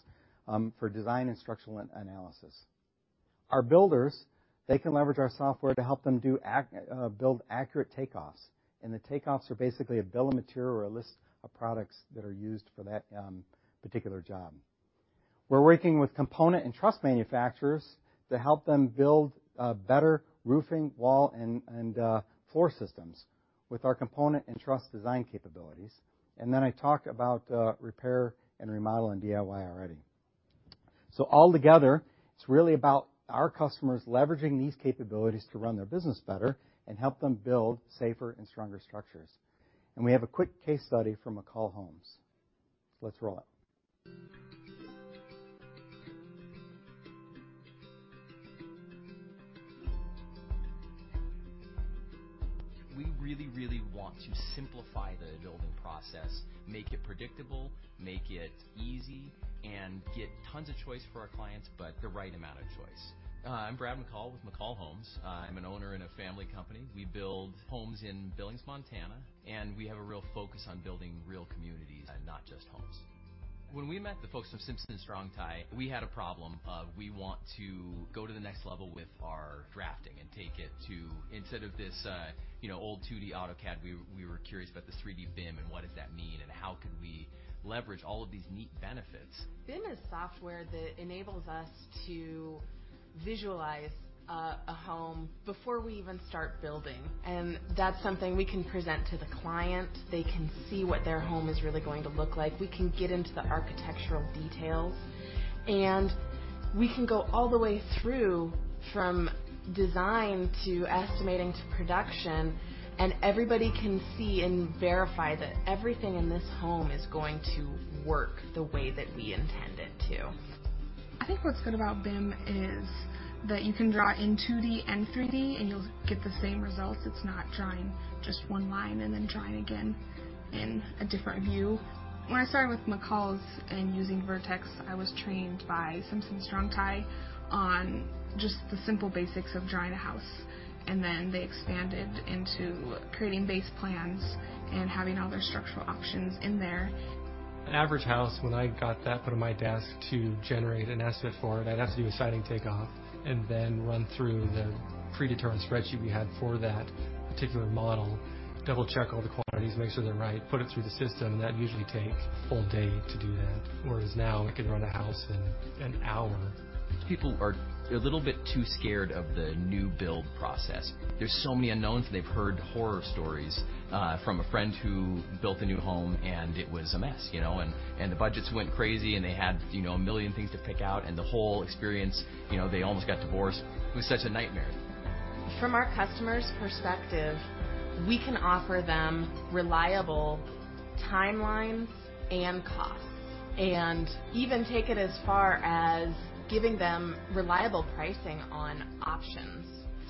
for design and structural analysis. Our builders, they can leverage our software to help them build accurate takeoffs. And the takeoffs are basically a bill of material or a list of products that are used for that particular job. We're working with component and truss manufacturers to help them build better roofing, wall, and floor systems with our component and truss design capabilities. And then I talk about repair and remodel and DIY already. So altogether, it's really about our customers leveraging these capabilities to run their business better and help them build safer and stronger structures. And we have a quick case study from McCall Homes. Let's roll it. We really, really want to simplify the building process, make it predictable, make it easy, and get tons of choice for our clients, but the right amount of choice. I'm Brad McCall with McCall Homes. I'm an owner and a family company. We build homes in Billings, Montana. And we have a real focus on building real communities and not just homes. When we met the folks from Simpson Strong-Tie, we had a problem of we want to go to the next level with our drafting and take it to instead of this old 2D AutoCAD, we were curious about the 3D BIM and what does that mean and how could we leverage all of these neat benefits. BIM is software that enables us to visualize a home before we even start building, and that's something we can present to the client. They can see what their home is really going to look like. We can get into the architectural details, and we can go all the way through from design to estimating to production, and everybody can see and verify that everything in this home is going to work the way that we intend it to. I think what's good about BIM is that you can draw in 2D and 3D, and you'll get the same results. It's not drawing just one line and then drawing again in a different view. When I started with McCall Homes and using Vertex, I was trained by Simpson Strong-Tie on just the simple basics of drawing a house. And then they expanded into creating base plans and having all their structural options in there. An average house, when I got that put on my desk to generate an estimate for it, I'd have to do a siding takeoff and then run through the predetermined spreadsheet we had for that particular model, double-check all the quantities, make sure they're right, put it through the system. And that usually takes a full day to do that. Whereas now, I can run a house in an hour. People are a little bit too scared of the new build process. There's so many unknowns. They've heard horror stories from a friend who built a new home, and it was a mess. And the budgets went crazy, and they had a million things to pick out. And the whole experience, they almost got divorced. It was such a nightmare. From our customer's perspective, we can offer them reliable timelines and costs and even take it as far as giving them reliable pricing on options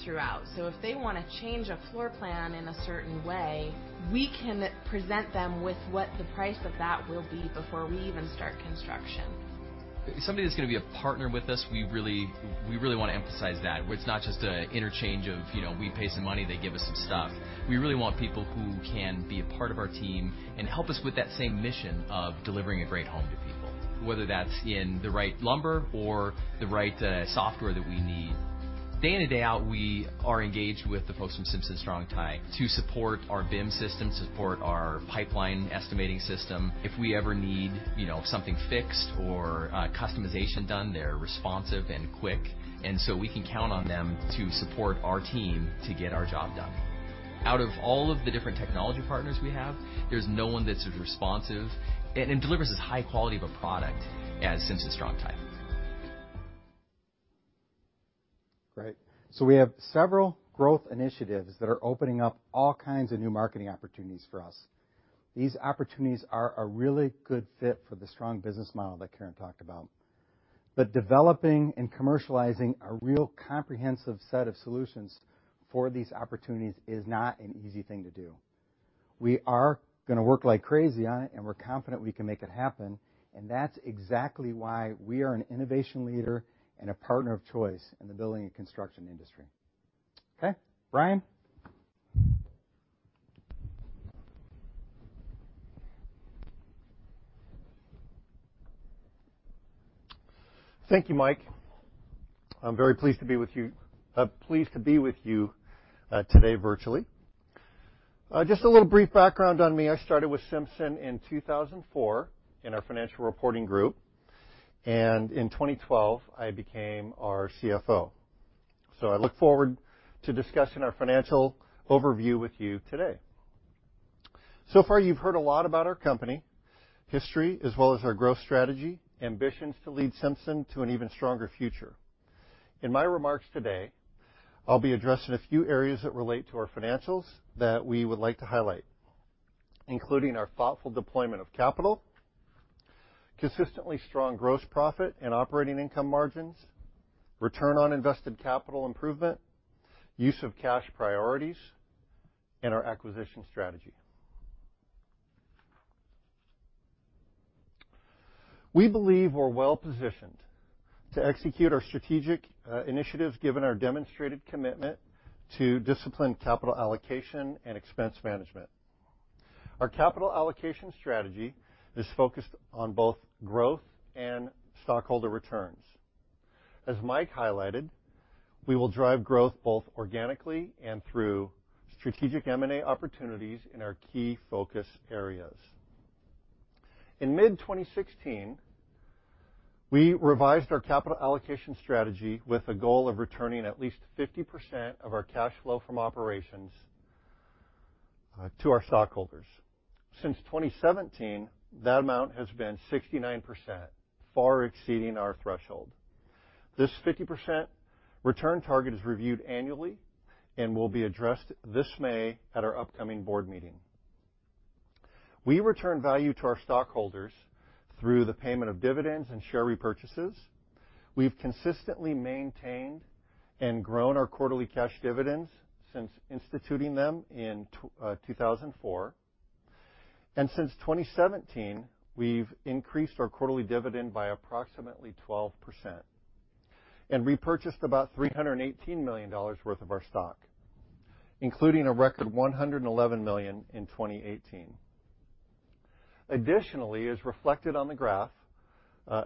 throughout. So if they want to change a floor plan in a certain way, we can present them with what the price of that will be before we even start construction. Somebody that's going to be a partner with us, we really want to emphasize that. It's not just an interchange of we pay some money, they give us some stuff. We really want people who can be a part of our team and help us with that same mission of delivering a great home to people, whether that's in the right lumber or the right software that we need. Day in and day out, we are engaged with the folks from Simpson Strong-Tie to support our BIM system, support our Pipeline estimating system. If we ever need something fixed or customization done, they're responsive and quick, and so we can count on them to support our team to get our job done. Out of all of the different technology partners we have, there's no one that's as responsive and delivers as high quality of a product as Simpson Strong-Tie. Great, so we have several growth initiatives that are opening up all kinds of new marketing opportunities for us. These opportunities are a really good fit for the strong business model that Karen talked about. But developing and commercializing a real comprehensive set of solutions for these opportunities is not an easy thing to do. We are going to work like crazy on it, and we're confident we can make it happen, and that's exactly why we are an innovation leader and a partner of choice in the building and construction industry. Okay. Brian. Thank you, Mike. I'm very pleased to be with you today virtually. Just a little brief background on me. I started with Simpson in 2004 in our financial reporting group, and in 2012, I became our CFO. So I look forward to discussing our financial overview with you today. So far, you've heard a lot about our company, history, as well as our growth strategy, ambitions to lead Simpson to an even stronger future. In my remarks today, I'll be addressing a few areas that relate to our financials that we would like to highlight, including our thoughtful deployment of capital, consistently strong gross profit and operating income margins, return on invested capital improvement, use of cash priorities, and our acquisition strategy. We believe we're well positioned to execute our strategic initiatives given our demonstrated commitment to disciplined capital allocation and expense management. Our capital allocation strategy is focused on both growth and stockholder returns. As Mike highlighted, we will drive growth both organically and through strategic M&A opportunities in our key focus areas. In mid-2016, we revised our capital allocation strategy with a goal of returning at least 50% of our cash flow from operations to our stockholders. Since 2017, that amount has been 69%, far exceeding our threshold. This 50% return target is reviewed annually and will be addressed this May at our upcoming board meeting. We return value to our stockholders through the payment of dividends and share repurchases. We've consistently maintained and grown our quarterly cash dividends since instituting them in 2004, and since 2017, we've increased our quarterly dividend by approximately 12% and repurchased about $318 million worth of our stock, including a record $111 million in 2018. Additionally, as reflected on the graph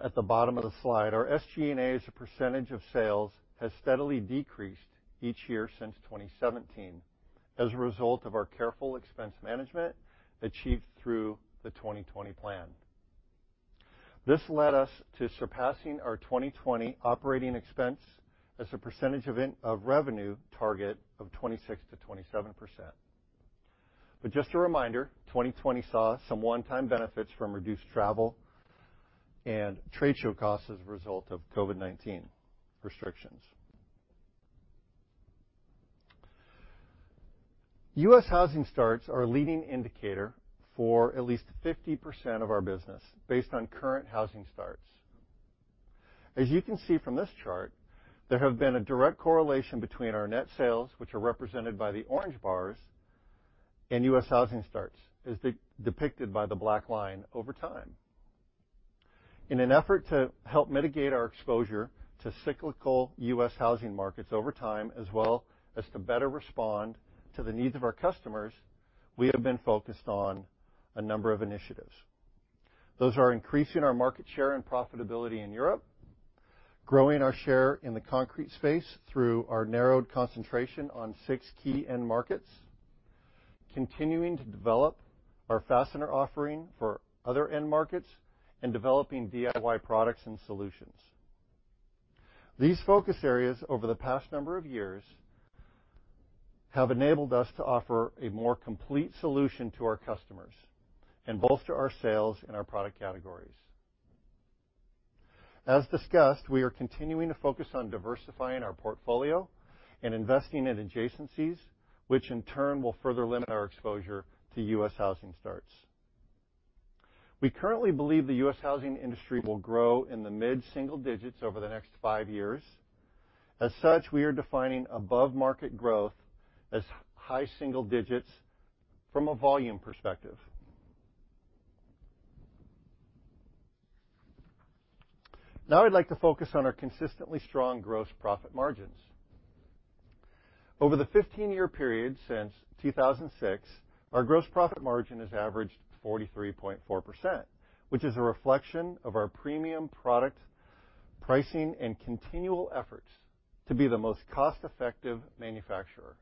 at the bottom of the slide, our SG&A as a percentage of sales has steadily decreased each year since 2017 as a result of our careful expense management achieved through the 2020 Plan. This led us to surpassing our 2020 operating expense as a percentage of revenue target of 26%-27%. But just a reminder, 2020 saw some one-time benefits from reduced travel and trade show costs as a result of COVID-19 restrictions. U.S. housing starts are a leading indicator for at least 50% of our business based on current housing starts. As you can see from this chart, there has been a direct correlation between our net sales, which are represented by the orange bars, and U.S. housing starts as depicted by the black line over time. In an effort to help mitigate our exposure to cyclical U.S. housing markets over time, as well as to better respond to the needs of our customers, we have been focused on a number of initiatives. Those are increasing our market share and profitability in Europe, growing our share in the concrete space through our narrowed concentration on six key end markets, continuing to develop our fastener offering for other end markets, and developing DIY products and solutions. These focus areas over the past number of years have enabled us to offer a more complete solution to our customers and bolster our sales in our product categories. As discussed, we are continuing to focus on diversifying our portfolio and investing in adjacencies, which in turn will further limit our exposure to U.S. housing starts. We currently believe the U.S. housing industry will grow in the mid-single digits over the next five years. As such, we are defining above-market growth as high single digits from a volume perspective. Now, I'd like to focus on our consistently strong gross profit margins. Over the 15-year period since 2006, our gross profit margin has averaged 43.4%, which is a reflection of our premium product pricing and continual efforts to be the most cost-effective manufacturer.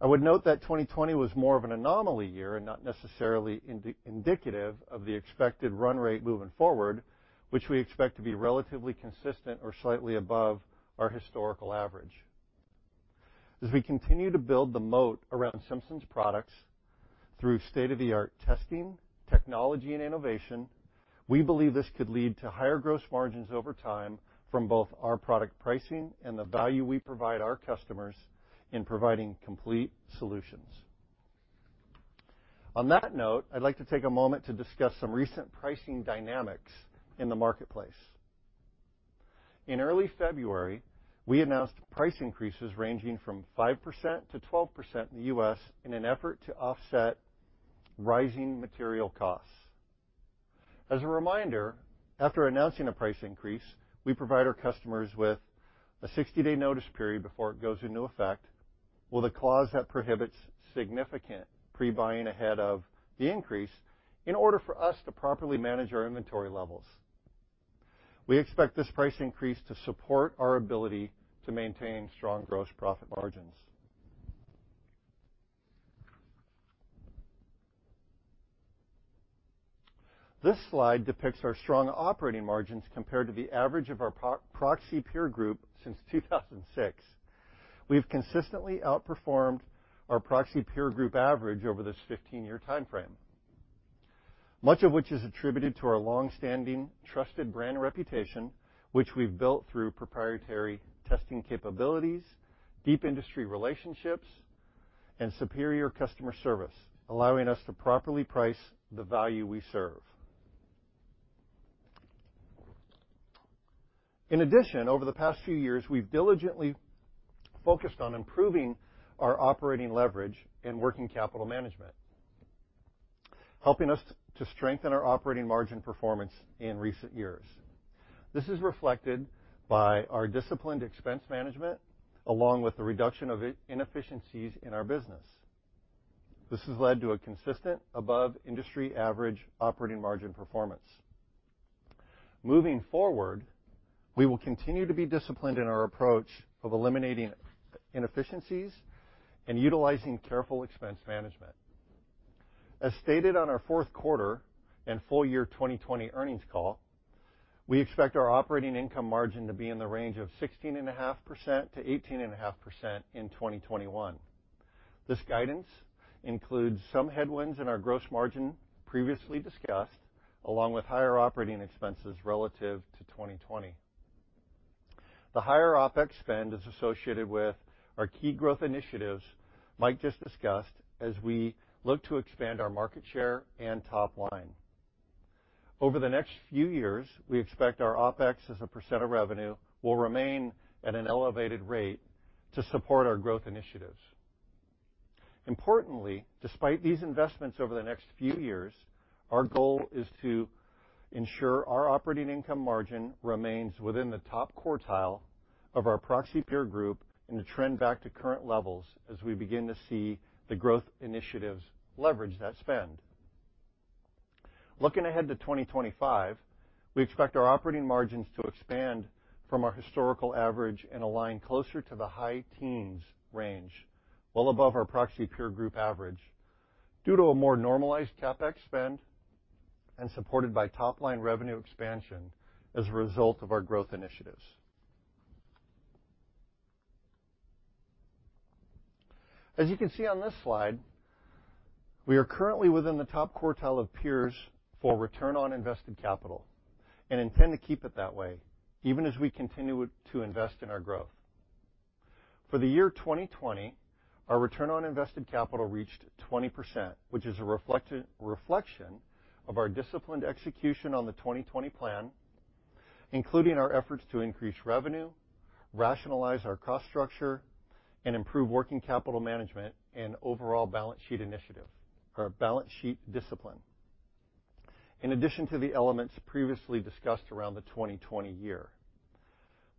I would note that 2020 was more of an anomaly year and not necessarily indicative of the expected run rate moving forward, which we expect to be relatively consistent or slightly above our historical average. As we continue to build the moat around Simpson's products through state-of-the-art testing, technology, and innovation, we believe this could lead to higher gross margins over time from both our product pricing and the value we provide our customers in providing complete solutions. On that note, I'd like to take a moment to discuss some recent pricing dynamics in the marketplace. In early February, we announced price increases ranging from 5%-12% in the U.S. in an effort to offset rising material costs. As a reminder, after announcing a price increase, we provide our customers with a 60-day notice period before it goes into effect with a clause that prohibits significant pre-buying ahead of the increase in order for us to properly manage our inventory levels. We expect this price increase to support our ability to maintain strong gross profit margins. This slide depicts our strong operating margins compared to the average of our proxy peer group since 2006. We've consistently outperformed our proxy peer group average over this 15-year timeframe, much of which is attributed to our longstanding trusted brand reputation, which we've built through proprietary testing capabilities, deep industry relationships, and superior customer service, allowing us to properly price the value we serve. In addition, over the past few years, we've diligently focused on improving our operating leverage and working capital management, helping us to strengthen our operating margin performance in recent years. This is reflected by our disciplined expense management along with the reduction of inefficiencies in our business. This has led to a consistent above-industry-average operating margin performance. Moving forward, we will continue to be disciplined in our approach of eliminating inefficiencies and utilizing careful expense management. As stated on our fourth quarter and full year 2020 earnings call, we expect our operating income margin to be in the range of 16.5%-18.5% in 2021. This guidance includes some headwinds in our gross margin previously discussed, along with higher operating expenses relative to 2020. The higher OpEx spend is associated with our key growth initiatives Mike just discussed as we look to expand our market share and top line. Over the next few years, we expect our OpEx as a percent of revenue will remain at an elevated rate to support our growth initiatives. Importantly, despite these investments over the next few years, our goal is to ensure our operating income margin remains within the top quartile of our proxy peer group and to trend back to current levels as we begin to see the growth initiatives leverage that spend. Looking ahead to 2025, we expect our operating margins to expand from our historical average and align closer to the high teens range, well above our proxy peer group average due to a more normalized CapEx spend and supported by top-line revenue expansion as a result of our growth initiatives. As you can see on this slide, we are currently within the top quartile of peers for return on invested capital and intend to keep it that way even as we continue to invest in our growth. For the year 2020, our return on invested capital reached 20%, which is a reflection of our disciplined execution on the 2020 Plan, including our efforts to increase revenue, rationalize our cost structure, and improve working capital management and overall balance sheet initiative or balance sheet discipline, in addition to the elements previously discussed around the 2020 year.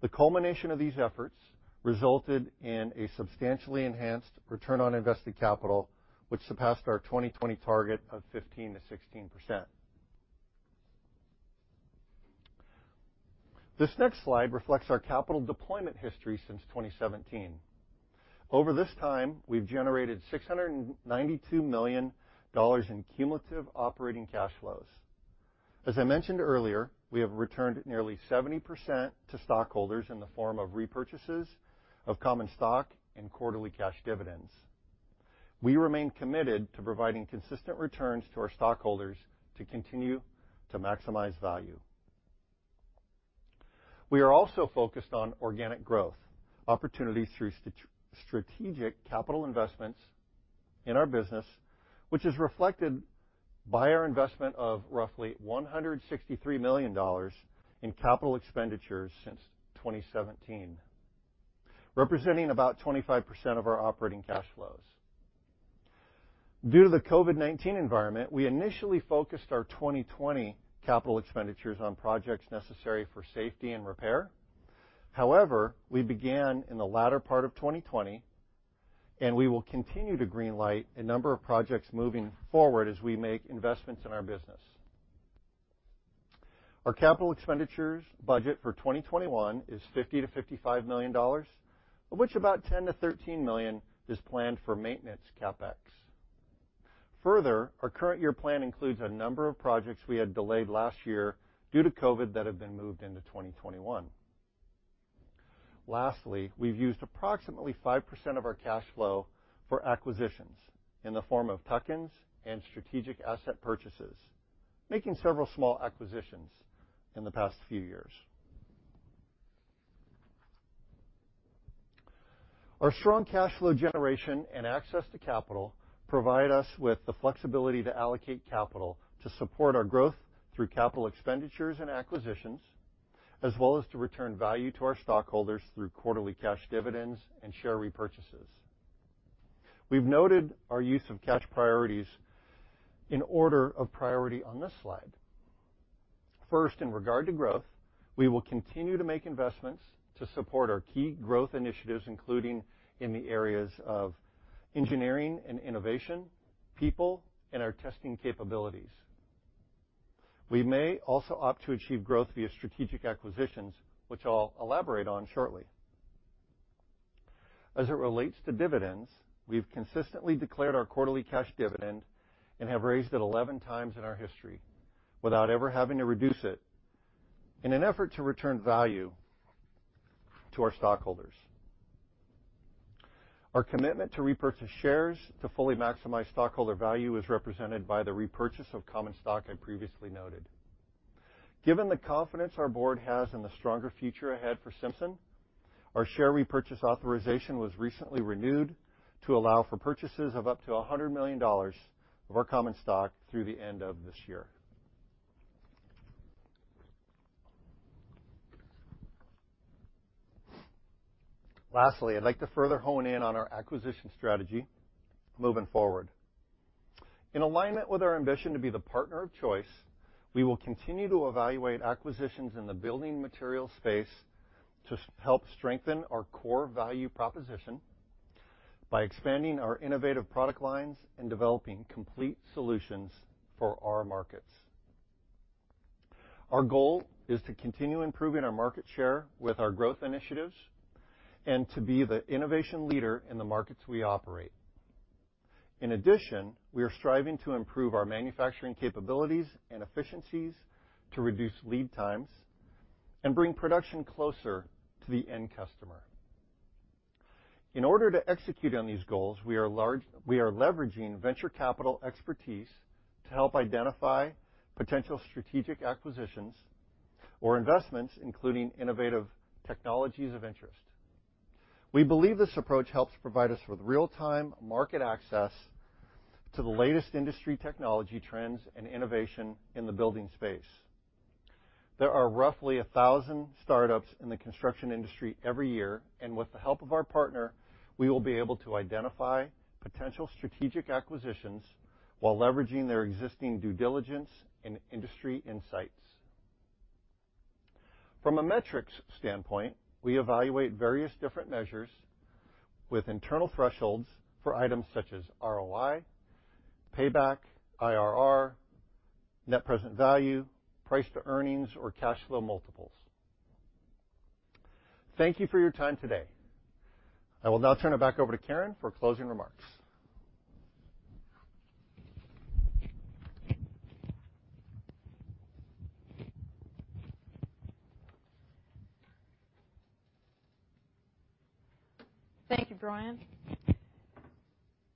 The culmination of these efforts resulted in a substantially enhanced return on invested capital, which surpassed our 2020 target of 15%-16%. This next slide reflects our capital deployment history since 2017. Over this time, we've generated $692 million in cumulative operating cash flows. As I mentioned earlier, we have returned nearly 70% to stockholders in the form of repurchases of common stock and quarterly cash dividends. We remain committed to providing consistent returns to our stockholders to continue to maximize value. We are also focused on organic growth opportunities through strategic capital investments in our business, which is reflected by our investment of roughly $163 million in capital expenditures since 2017, representing about 25% of our operating cash flows. Due to the COVID-19 environment, we initially focused our 2020 capital expenditures on projects necessary for safety and repair. However, we began in the latter part of 2020, and we will continue to greenlight a number of projects moving forward as we make investments in our business. Our capital expenditures budget for 2021 is $50 million-$55 million, of which about $10 million-$13 million is planned for maintenance CapEx. Further, our current year plan includes a number of projects we had delayed last year due to COVID that have been moved into 2021. Lastly, we've used approximately 5% of our cash flow for acquisitions in the form of tuck-ins and strategic asset purchases, making several small acquisitions in the past few years. Our strong cash flow generation and access to capital provide us with the flexibility to allocate capital to support our growth through capital expenditures and acquisitions, as well as to return value to our stockholders through quarterly cash dividends and share repurchases. We've noted our use of cash priorities in order of priority on this slide. First, in regard to growth, we will continue to make investments to support our key growth initiatives, including in the areas of engineering and innovation, people, and our testing capabilities. We may also opt to achieve growth via strategic acquisitions, which I'll elaborate on shortly. As it relates to dividends, we've consistently declared our quarterly cash dividend and have raised it 11 times in our history without ever having to reduce it in an effort to return value to our stockholders. Our commitment to repurchase shares to fully maximize stockholder value is represented by the repurchase of common stock I previously noted. Given the confidence our board has in the stronger future ahead for Simpson, our share repurchase authorization was recently renewed to allow for purchases of up to $100 million of our common stock through the end of this year. Lastly, I'd like to further hone in on our acquisition strategy moving forward. In alignment with our ambition to be the partner of choice, we will continue to evaluate acquisitions in the building materials space to help strengthen our core value proposition by expanding our innovative product lines and developing complete solutions for our markets. Our goal is to continue improving our market share with our growth initiatives and to be the innovation leader in the markets we operate. In addition, we are striving to improve our manufacturing capabilities and efficiencies to reduce lead times and bring production closer to the end customer. In order to execute on these goals, we are leveraging venture capital expertise to help identify potential strategic acquisitions or investments, including innovative technologies of interest. We believe this approach helps provide us with real-time market access to the latest industry technology trends and innovation in the building space. There are roughly 1,000 startups in the construction industry every year, and with the help of our partner, we will be able to identify potential strategic acquisitions while leveraging their existing due diligence and industry insights. From a metrics standpoint, we evaluate various different measures with internal thresholds for items such as ROI, payback, IRR, net present value, price to earnings, or cash flow multiples. Thank you for your time today. I will now turn it back over to Karen for closing remarks. Thank you, Brian.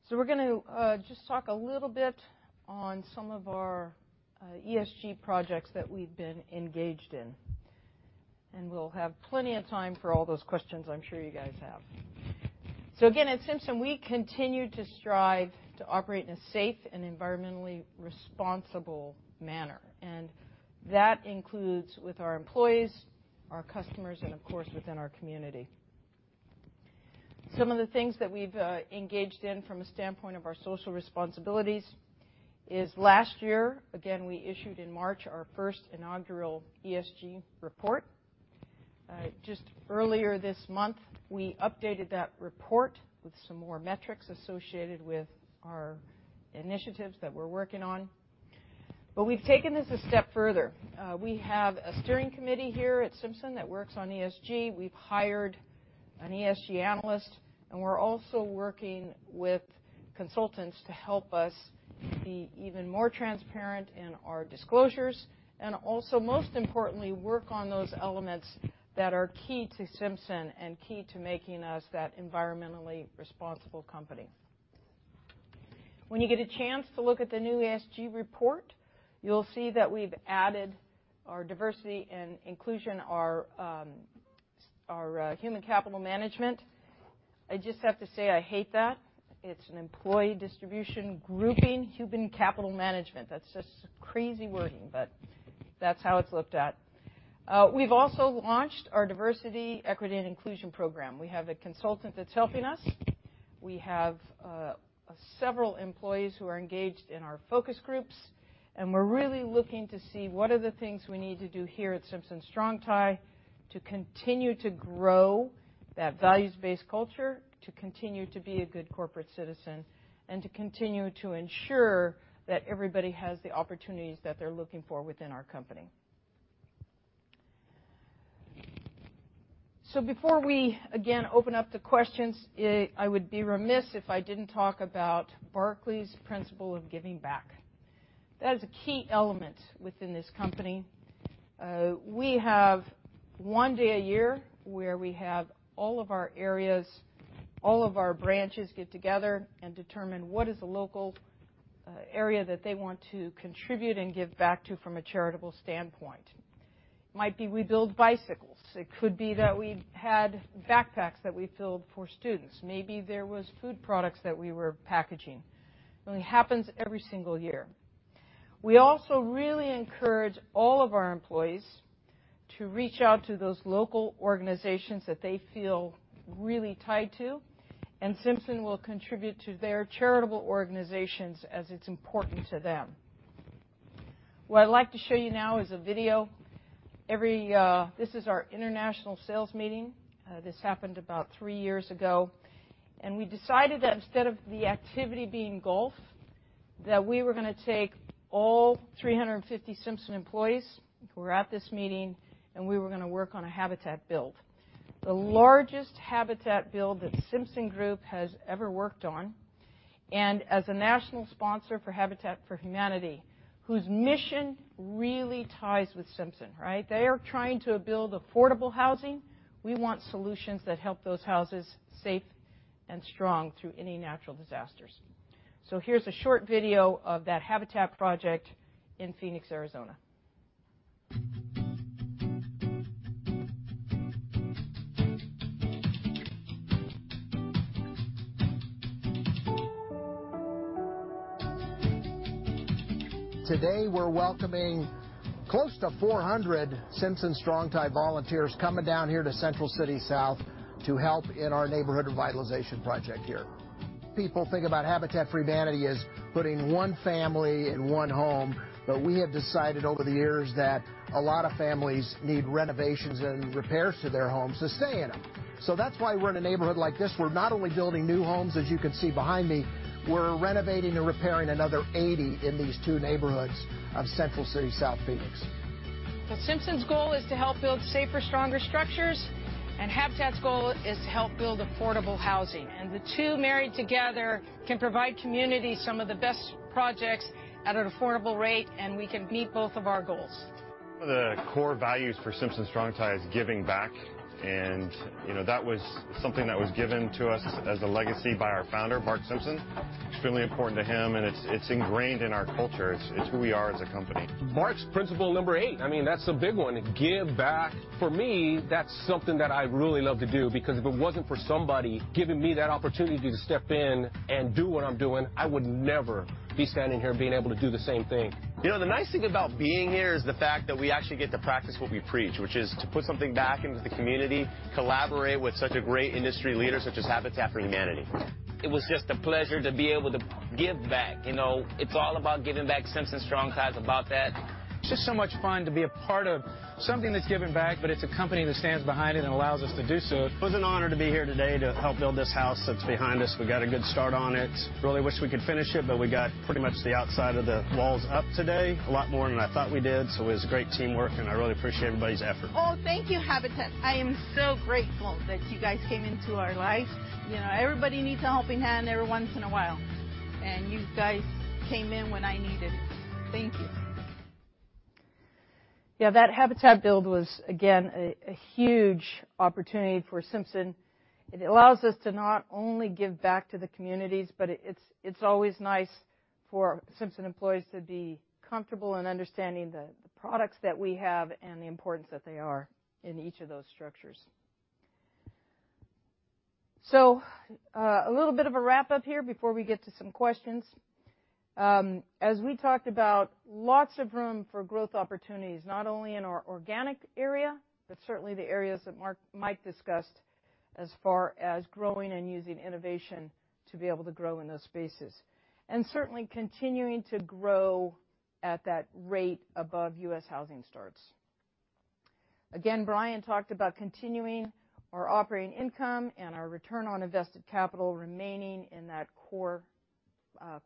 So we're going to just talk a little bit on some of our ESG projects that we've been engaged in, and we'll have plenty of time for all those questions I'm sure you guys have. So again, at Simpson, we continue to strive to operate in a safe and environmentally responsible manner, and that includes with our employees, our customers, and of course, within our community. Some of the things that we've engaged in from a standpoint of our social responsibilities is last year, again, we issued in March our first inaugural ESG report. Just earlier this month, we updated that report with some more metrics associated with our initiatives that we're working on, but we've taken this a step further. We have a steering committee here at Simpson that works on ESG. We've hired an ESG analyst, and we're also working with consultants to help us be even more transparent in our disclosures and also, most importantly, work on those elements that are key to Simpson and key to making us that environmentally responsible company. When you get a chance to look at the new ESG report, you'll see that we've added our diversity and inclusion, our human capital management. I just have to say I hate that. It's an employee distribution grouping human capital management. That's just crazy wording, but that's how it's looked at. We've also launched our diversity, equity, and inclusion program. We have a consultant that's helping us. We have several employees who are engaged in our focus groups, and we're really looking to see what are the things we need to do here at Simpson Strong-Tie to continue to grow that values-based culture, to continue to be a good corporate citizen, and to continue to ensure that everybody has the opportunities that they're looking for within our company. So before we again open up to questions, I would be remiss if I didn't talk about Barclay's principle of giving back. That is a key element within this company. We have one day a year where we have all of our areas, all of our branches get together and determine what is a local area that they want to contribute and give back to from a charitable standpoint. It might be we build bicycles. It could be that we had backpacks that we filled for students. Maybe there were food products that we were packaging. It only happens every single year. We also really encourage all of our employees to reach out to those local organizations that they feel really tied to, and Simpson will contribute to their charitable organizations as it's important to them. What I'd like to show you now is a video. This is our international sales meeting. This happened about three years ago, and we decided that instead of the activity being golf, that we were going to take all 350 Simpson employees who were at this meeting, and we were going to work on a Habitat build, the largest Habitat build that Simpson Group has ever worked on and as a national sponsor for Habitat for Humanity, whose mission really ties with Simpson, right? They are trying to build affordable housing. We want solutions that help those houses safe and strong through any natural disasters. So here's a short video of that Habitat project in Phoenix, Arizona. Today, we're welcoming close to 400 Simpson Strong-Tie volunteers coming down here to Central City South to help in our neighborhood revitalization project here. People think about Habitat for Humanity as putting one family in one home, but we have decided over the years that a lot of families need renovations and repairs to their homes to stay in them. So that's why we're in a neighborhood like this. We're not only building new homes, as you can see behind me, we're renovating and repairing another 80 in these two neighborhoods of Central City South, Phoenix. Simpson's goal is to help build safer, stronger structures, and Habitat's goal is to help build affordable housing, and the two married together can provide community some of the best projects at an affordable rate, and we can meet both of our goals. The core values for Simpson Strong-Tie is giving back, and that was something that was given to us as a legacy by our founder, Barclay Simpson. Extremely important to him, and it's ingrained in our culture. It's who we are as a company. Barclay's principle number eight, I mean, that's a big one. Give back. For me, that's something that I really love to do because if it wasn't for somebody giving me that opportunity to step in and do what I'm doing, I would never be standing here being able to do the same thing. The nice thing about being here is the fact that we actually get to practice what we preach, which is to put something back into the community, collaborate with such a great industry leader such as Habitat for Humanity. It was just a pleasure to be able to give back. It's all about giving back. Simpson Strong-Tie is about that. It's just so much fun to be a part of something that's giving back, but it's a company that stands behind it and allows us to do so. It was an honor to be here today to help build this house that's behind us. We got a good start on it. Really wish we could finish it, but we got pretty much the outside of the walls up today, a lot more than I thought we did, so it was great teamwork, and I really appreciate everybody's effort. Oh, thank you, Habitat. I am so grateful that you guys came into our lives. Everybody needs a helping hand every once in a while, and you guys came in when I needed it. Thank you. Yeah, that Habitat build was, again, a huge opportunity for Simpson. It allows us to not only give back to the communities, but it's always nice for Simpson employees to be comfortable in understanding the products that we have and the importance that they are in each of those structures. So a little bit of a wrap-up here before we get to some questions. As we talked about, lots of room for growth opportunities, not only in our organic area, but certainly the areas that Mike discussed as far as growing and using innovation to be able to grow in those spaces, and certainly continuing to grow at that rate above U.S. housing starts. Again, Brian talked about continuing our operating income and our return on invested capital remaining in that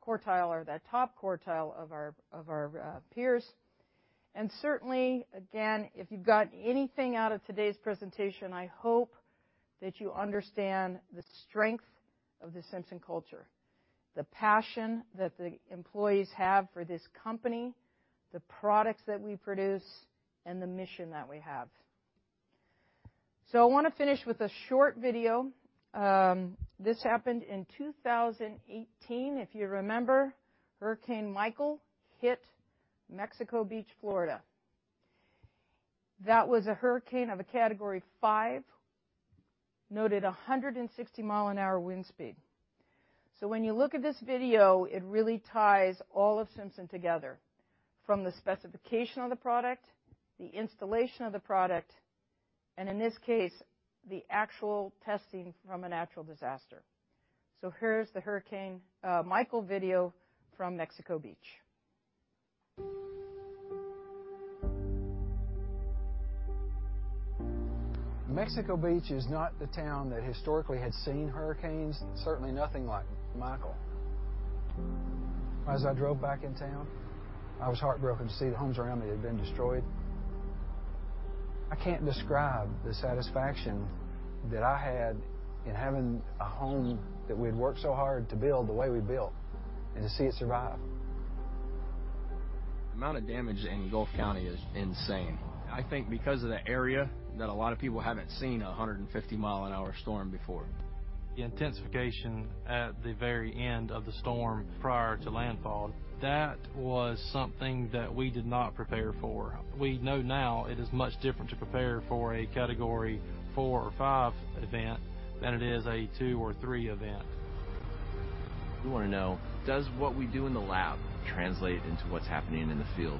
quartile or that top quartile of our peers. Certainly, again, if you've gotten anything out of today's presentation, I hope that you understand the strength of the Simpson culture, the passion that the employees have for this company, the products that we produce, and the mission that we have. I want to finish with a short video. This happened in 2018. If you remember, Hurricane Michael hit Mexico Beach, Florida. That was a hurricane of a Category 5, noted 160-mile-an-hour wind speed. When you look at this video, it really ties all of Simpson together from the specification of the product, the installation of the product, and in this case, the actual testing from a natural disaster. Here's the Hurricane Michael video from Mexico Beach. Mexico Beach is not the town that historically had seen hurricanes, certainly nothing like Michael. As I drove back in town, I was heartbroken to see the homes around me had been destroyed. I can't describe the satisfaction that I had in having a home that we had worked so hard to build the way we built and to see it survive. The amount of damage in Gulf County is insane. I think because of the area that a lot of people haven't seen a 150-mile-an-hour storm before. The intensification at the very end of the storm prior to landfall, that was something that we did not prepare for. We know now it is much different to prepare for a category four or five event than it is a two or three event. We want to know, does what we do in the lab translate into what's happening in the field?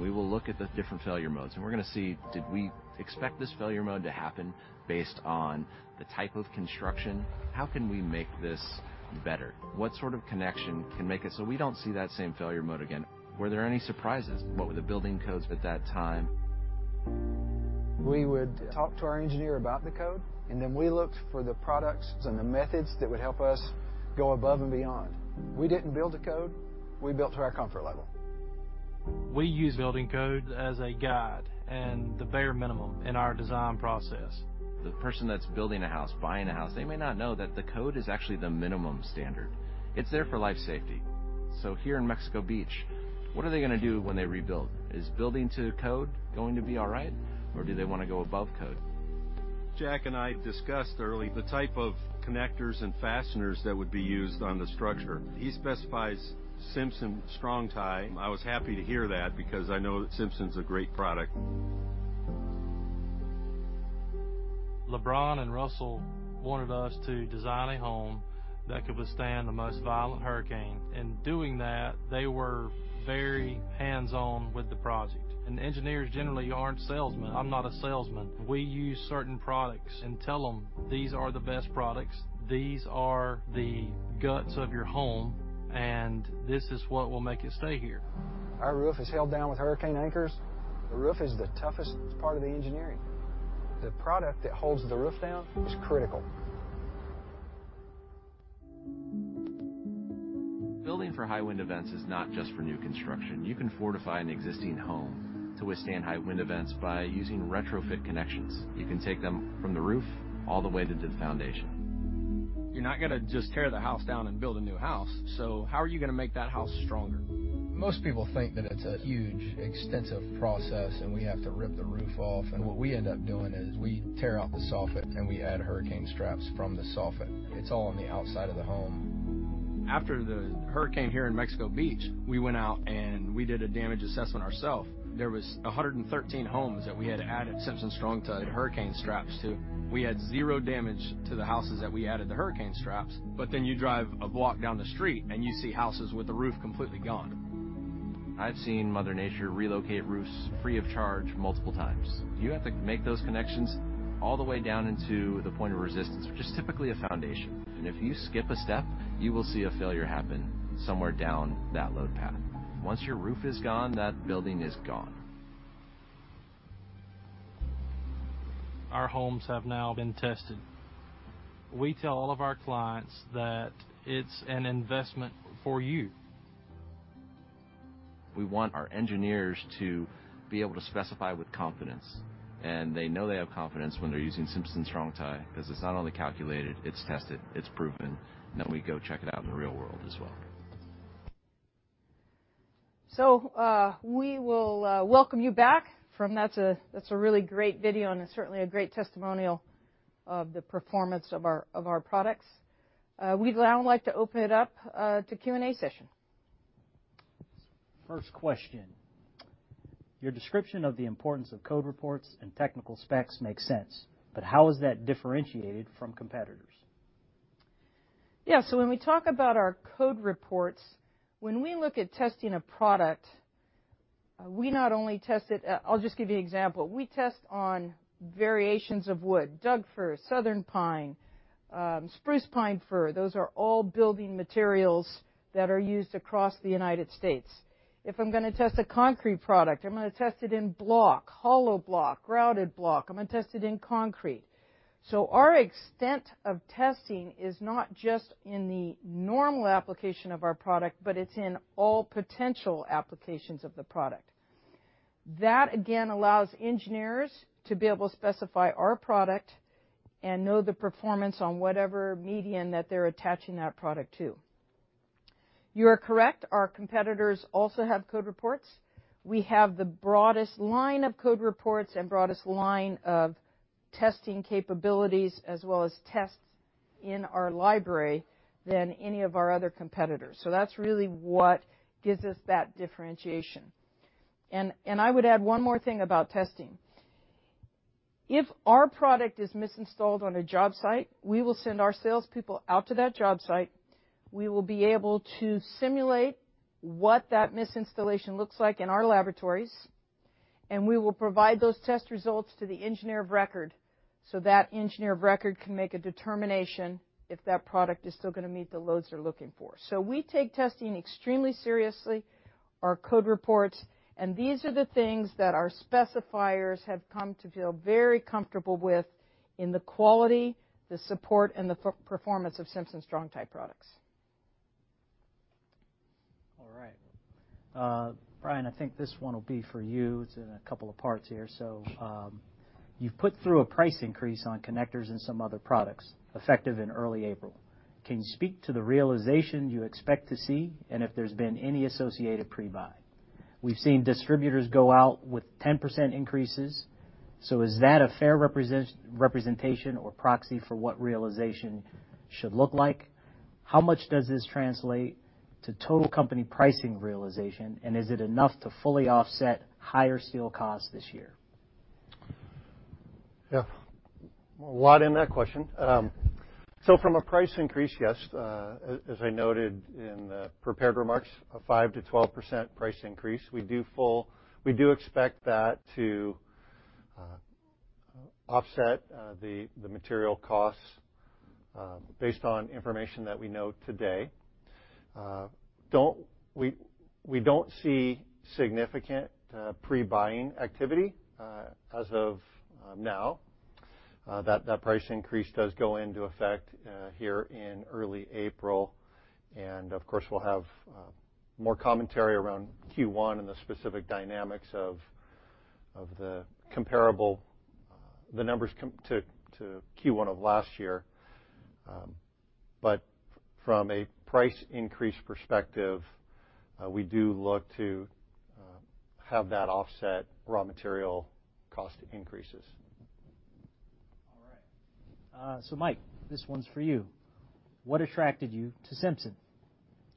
We will look at the different failure modes, and we're going to see, did we expect this failure mode to happen based on the type of construction? How can we make this better? What sort of connection can make it so we don't see that same failure mode again? Were there any surprises? What were the building codes at that time? We would talk to our engineer about the code, and then we looked for the products and the methods that would help us go above and beyond. We didn't build a code. We built to our comfort level. We use building code as a guide and the bare minimum in our design process. The person that's building a house, buying a house, they may not know that the code is actually the minimum standard. It's there for life safety. So here in Mexico Beach, what are they going to do when they rebuild? Is building to code going to be all right, or do they want to go above code? Jack and I discussed early the type of connectors and fasteners that would be used on the structure. He specifies Simpson Strong-Tie. I was happy to hear that because I know Simpson's a great product. LeBron and Russell wanted us to design a home that could withstand the most violent hurricane. In doing that, they were very hands-on with the project. Engineers generally aren't salesmen. I'm not a salesman. We use certain products and tell them, "These are the best products. These are the guts of your home, and this is what will make it stay here." Our roof is held down with hurricane anchors. The roof is the toughest part of the engineering. The product that holds the roof down is critical. Building for high wind events is not just for new construction. You can fortify an existing home to withstand high wind events by using retrofit connections. You can take them from the roof all the way to the foundation. You're not going to just tear the house down and build a new house. So how are you going to make that house stronger? Most people think that it's a huge, extensive process, and we have to rip the roof off. And what we end up doing is we tear out the soffit, and we add hurricane straps from the soffit. It's all on the outside of the home. After the hurricane here in Mexico Beach, we went out and we did a damage assessment ourselves. There was 113 homes that we had added Simpson Strong-Tie hurricane straps to. We had zero damage to the houses that we added the hurricane straps, but then you drive a block down the street, and you see houses with the roof completely gone. I've seen Mother Nature relocate roofs free of charge multiple times. You have to make those connections all the way down into the point of resistance, which is typically a foundation, and if you skip a step, you will see a failure happen somewhere down that load path. Once your roof is gone, that building is gone. Our homes have now been tested. We tell all of our clients that it's an investment for you. We want our engineers to be able to specify with confidence, and they know they have confidence when they're using Simpson Strong-Tie because it's not only calculated, it's tested, it's proven, and then we go check it out in the real world as well. So we will welcome you back from that. That's a really great video and certainly a great testimonial of the performance of our products. We'd now like to open it up to Q&A session. First question. Your description of the importance of code reports and technical specs makes sense, but how is that differentiated from competitors? Yeah, so when we talk about our code reports, when we look at testing a product, we not only test it. I'll just give you an example. We test on variations of wood: Doug-fir, southern pine, spruce-pine-fir. Those are all building materials that are used across the United States. If I'm going to test a concrete product, I'm going to test it in block, hollow block, grouted block. I'm going to test it in concrete. So our extent of testing is not just in the normal application of our product, but it's in all potential applications of the product. That, again, allows engineers to be able to specify our product and know the performance on whatever medium that they're attaching that product to. You are correct. Our competitors also have code reports. We have the broadest line of code reports and broadest line of testing capabilities as well as tests in our library than any of our other competitors. So that's really what gives us that differentiation. And I would add one more thing about testing. If our product is misinstalled on a job site, we will send our salespeople out to that job site. We will be able to simulate what that misinstallation looks like in our laboratories, and we will provide those test results to the engineer of record so that engineer of record can make a determination if that product is still going to meet the loads they're looking for. So we take testing extremely seriously, our code reports, and these are the things that our specifiers have come to feel very comfortable with in the quality, the support, and the performance of Simpson Strong-Tie products. All right. Brian, I think this one will be for you. It's in a couple of parts here. So you've put through a price increase on connectors and some other products effective in early April. Can you speak to the realization you expect to see and if there's been any associated pre-buy? We've seen distributors go out with 10% increases. So is that a fair representation or proxy for what realization should look like? How much does this translate to total company pricing realization, and is it enough to fully offset higher steel costs this year? Yeah. So from a price increase, yes, as I noted in the prepared remarks, a 5%-12% price increase. We do expect that to offset the material costs based on information that we know today. We don't see significant pre-buying activity as of now. That price increase does go into effect here in early April. And of course, we'll have more commentary around Q1 and the specific dynamics of the numbers to Q1 of last year. But from a price increase perspective, we do look to have that offset raw material cost increases. All right. So Mike, this one's for you. What attracted you to Simpson?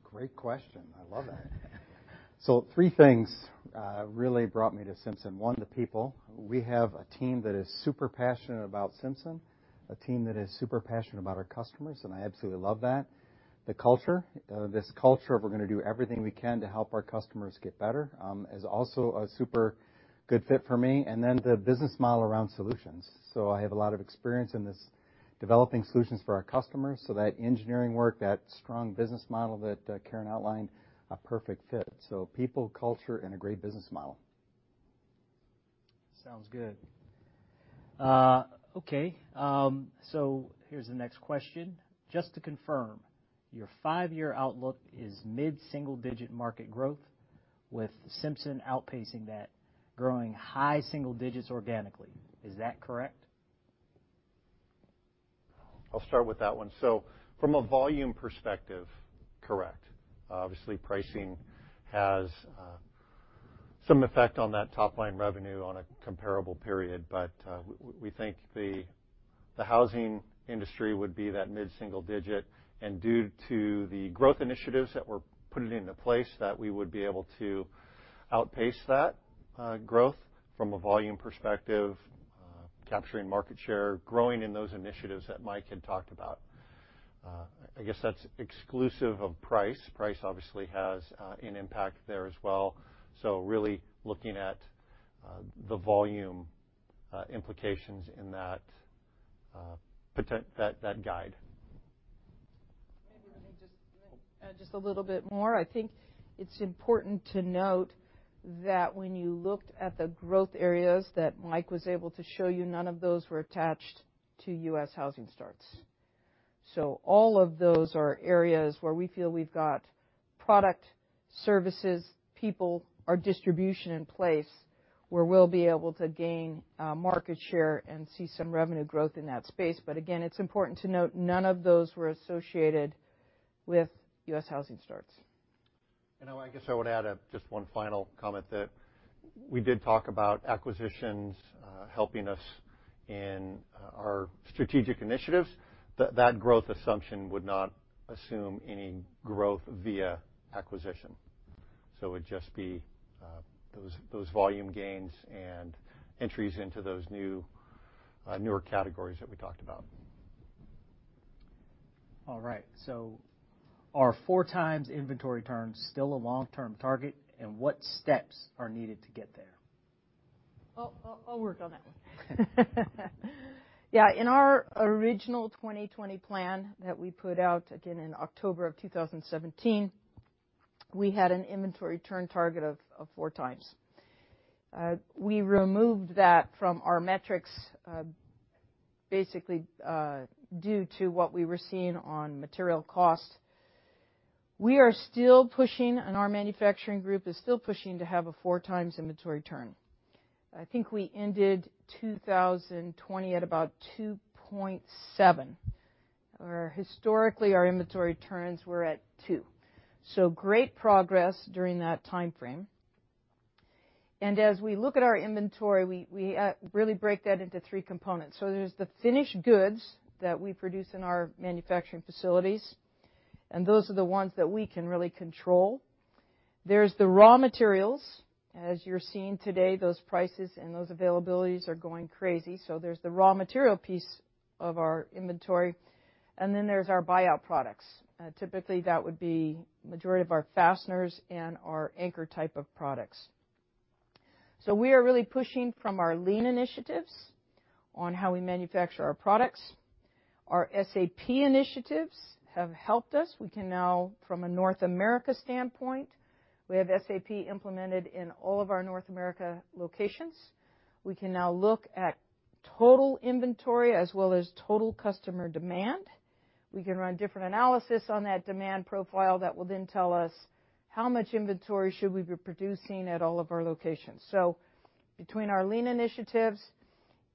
Great question. I love it. So three things really brought me to Simpson. One, the people. We have a team that is super passionate about Simpson, a team that is super passionate about our customers, and I absolutely love that. The culture, this culture of we're going to do everything we can to help our customers get better, is also a super good fit for me. And then the business model around solutions. So I have a lot of experience in this developing solutions for our customers. So that engineering work, that strong business model that Karen outlined, a perfect fit. So people, culture, and a great business model. Sounds good. Okay. So here's the next question. Just to confirm, your five-year outlook is mid-single-digit market growth with Simpson outpacing that, growing high single digits organically. Is that correct? I'll start with that one. So from a volume perspective, correct. Obviously, pricing has some effect on that top-line revenue on a comparable period, but we think the housing industry would be that mid-single digit. And due to the growth initiatives that were put into place, that we would be able to outpace that growth from a volume perspective, capturing market share, growing in those initiatives that Mike had talked about. I guess that's exclusive of price. Price obviously has an impact there as well. So really looking at the volume implications in that guide. Maybe just a little bit more. I think it's important to note that when you looked at the growth areas that Mike was able to show you, none of those were attached to U.S. housing starts. So all of those are areas where we feel we've got product, services, people, our distribution in place where we'll be able to gain market share and see some revenue growth in that space. But again, it's important to note none of those were associated with U.S. housing starts. I guess I would add just one final comment that we did talk about acquisitions helping us in our strategic initiatives. That growth assumption would not assume any growth via acquisition. It would just be those volume gains and entries into those newer categories that we talked about. All right. So are four times inventory turns still a long-term target, and what steps are needed to get there? I'll work on that one. Yeah. In our original 2020 Plan that we put out, again, in October of 2017, we had an inventory turn target of four times. We removed that from our metrics basically due to what we were seeing on material cost. We are still pushing, and our manufacturing group is still pushing to have a four times inventory turn. I think we ended 2020 at about 2.7, where historically our inventory turns were at 2. So great progress during that time frame, and as we look at our inventory, we really break that into three components. So there's the finished goods that we produce in our manufacturing facilities, and those are the ones that we can really control. There's the raw materials. As you're seeing today, those prices and those availabilities are going crazy. So there's the raw material piece of our inventory, and then there's our buyout products. Typically, that would be the majority of our fasteners and our anchor type of products. So we are really pushing from our lean initiatives on how we manufacture our products. Our SAP initiatives have helped us. We can now, from a North America standpoint, we have SAP implemented in all of our North America locations. We can now look at total inventory as well as total customer demand. We can run different analysis on that demand profile that will then tell us how much inventory should we be producing at all of our locations. So between our lean initiatives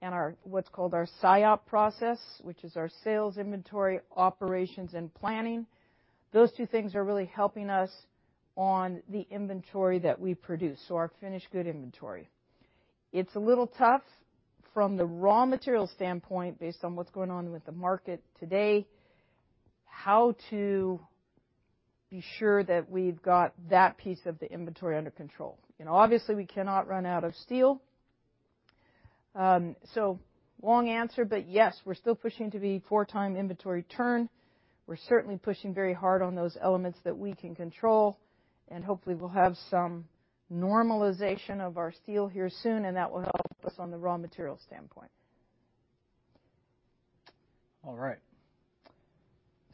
and what's called our SIOP process, which is our sales, inventory, operations, and planning, those two things are really helping us on the inventory that we produce, so our finished good inventory. It's a little tough from the raw material standpoint, based on what's going on with the market today, how to be sure that we've got that piece of the inventory under control. Obviously, we cannot run out of steel. So long answer, but yes, we're still pushing to be four-time inventory turn. We're certainly pushing very hard on those elements that we can control, and hopefully, we'll have some normalization of our steel here soon, and that will help us on the raw material standpoint. All right.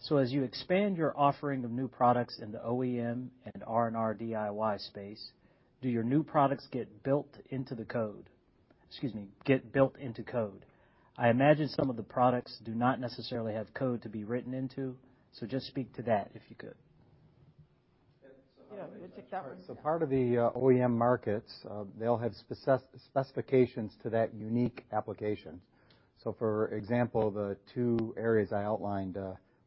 So as you expand your offering of new products in the OEM and R&R/DIY space, do your new products get built into the code? Excuse me, get built into code. I imagine some of the products do not necessarily have code to be written into. So just speak to that if you could. Yeah. So part of the OEM markets, they'll have specifications to that unique application. So for example, the two areas I outlined,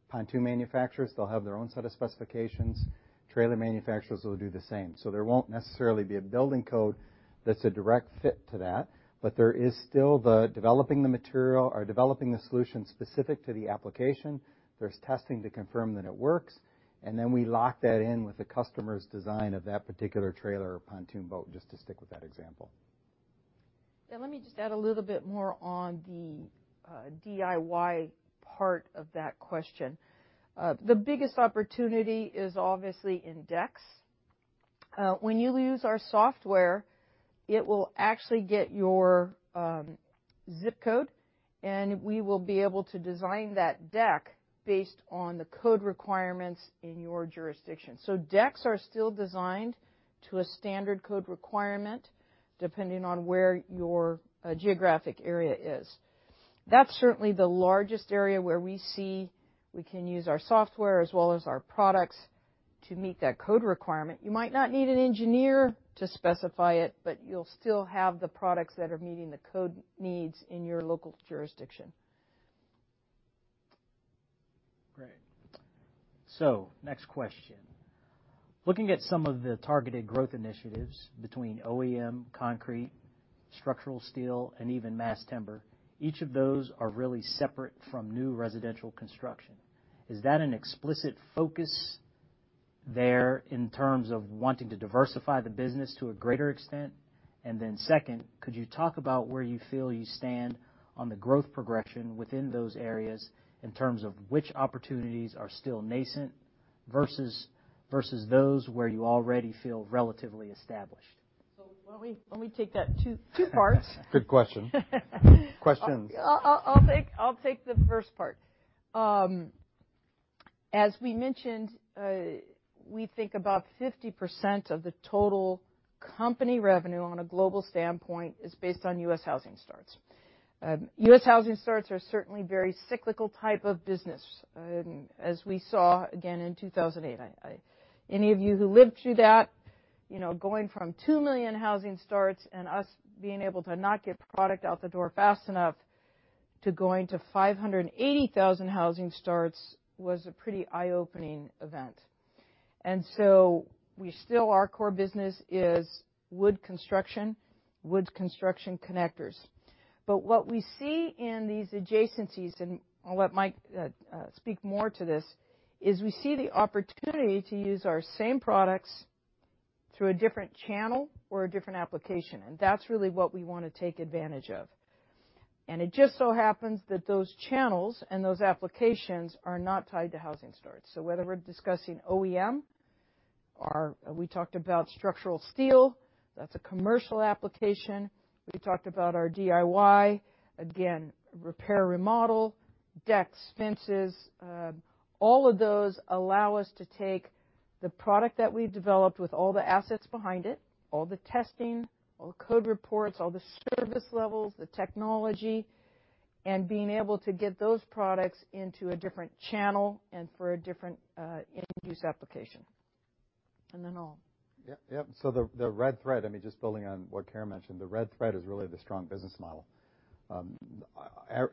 pontoon manufacturers, they'll have their own set of specifications. Trailer manufacturers will do the same. So there won't necessarily be a building code that's a direct fit to that, but there is still developing the material or developing the solution specific to the application. There's testing to confirm that it works, and then we lock that in with the customer's design of that particular trailer or pontoon boat, just to stick with that example. Yeah. Let me just add a little bit more on the DIY part of that question. The biggest opportunity is obviously in decks. When you use our software, it will actually get your ZIP code, and we will be able to design that deck based on the code requirements in your jurisdiction. So decks are still designed to a standard code requirement depending on where your geographic area is. That's certainly the largest area where we see we can use our software as well as our products to meet that code requirement. You might not need an engineer to specify it, but you'll still have the products that are meeting the code needs in your local jurisdiction. Great, so next question. Looking at some of the targeted growth initiatives between OEM, concrete, structural steel, and even mass timber, each of those are really separate from new residential construction. Is that an explicit focus there in terms of wanting to diversify the business to a greater extent? And then second, could you talk about where you feel you stand on the growth progression within those areas in terms of which opportunities are still nascent versus those where you already feel relatively established? So, let me take that two parts. Good question. Questions. I'll take the first part. As we mentioned, we think about 50% of the total company revenue on a global standpoint is based on U.S. housing starts. U.S. housing starts are certainly a very cyclical type of business, as we saw again in 2008. Any of you who lived through that, going from 2 million housing starts and us being able to not get product out the door fast enough to going to 580,000 housing starts was a pretty eye-opening event. And so we still, our core business is wood construction, wood construction connectors. But what we see in these adjacencies, and I'll let Mike speak more to this, is we see the opportunity to use our same products through a different channel or a different application. And that's really what we want to take advantage of. And it just so happens that those channels and those applications are not tied to housing starts. So whether we're discussing OEM, we talked about structural steel. That's a commercial application. We talked about our DIY, again, repair, remodel, decks, fences. All of those allow us to take the product that we've developed with all the assets behind it, all the testing, all the code reports, all the service levels, the technology, and being able to get those products into a different channel and for a different end-use application. And then I'll. Yeah. So the red thread, I mean, just building on what Karen mentioned, the red thread is really the strong business model.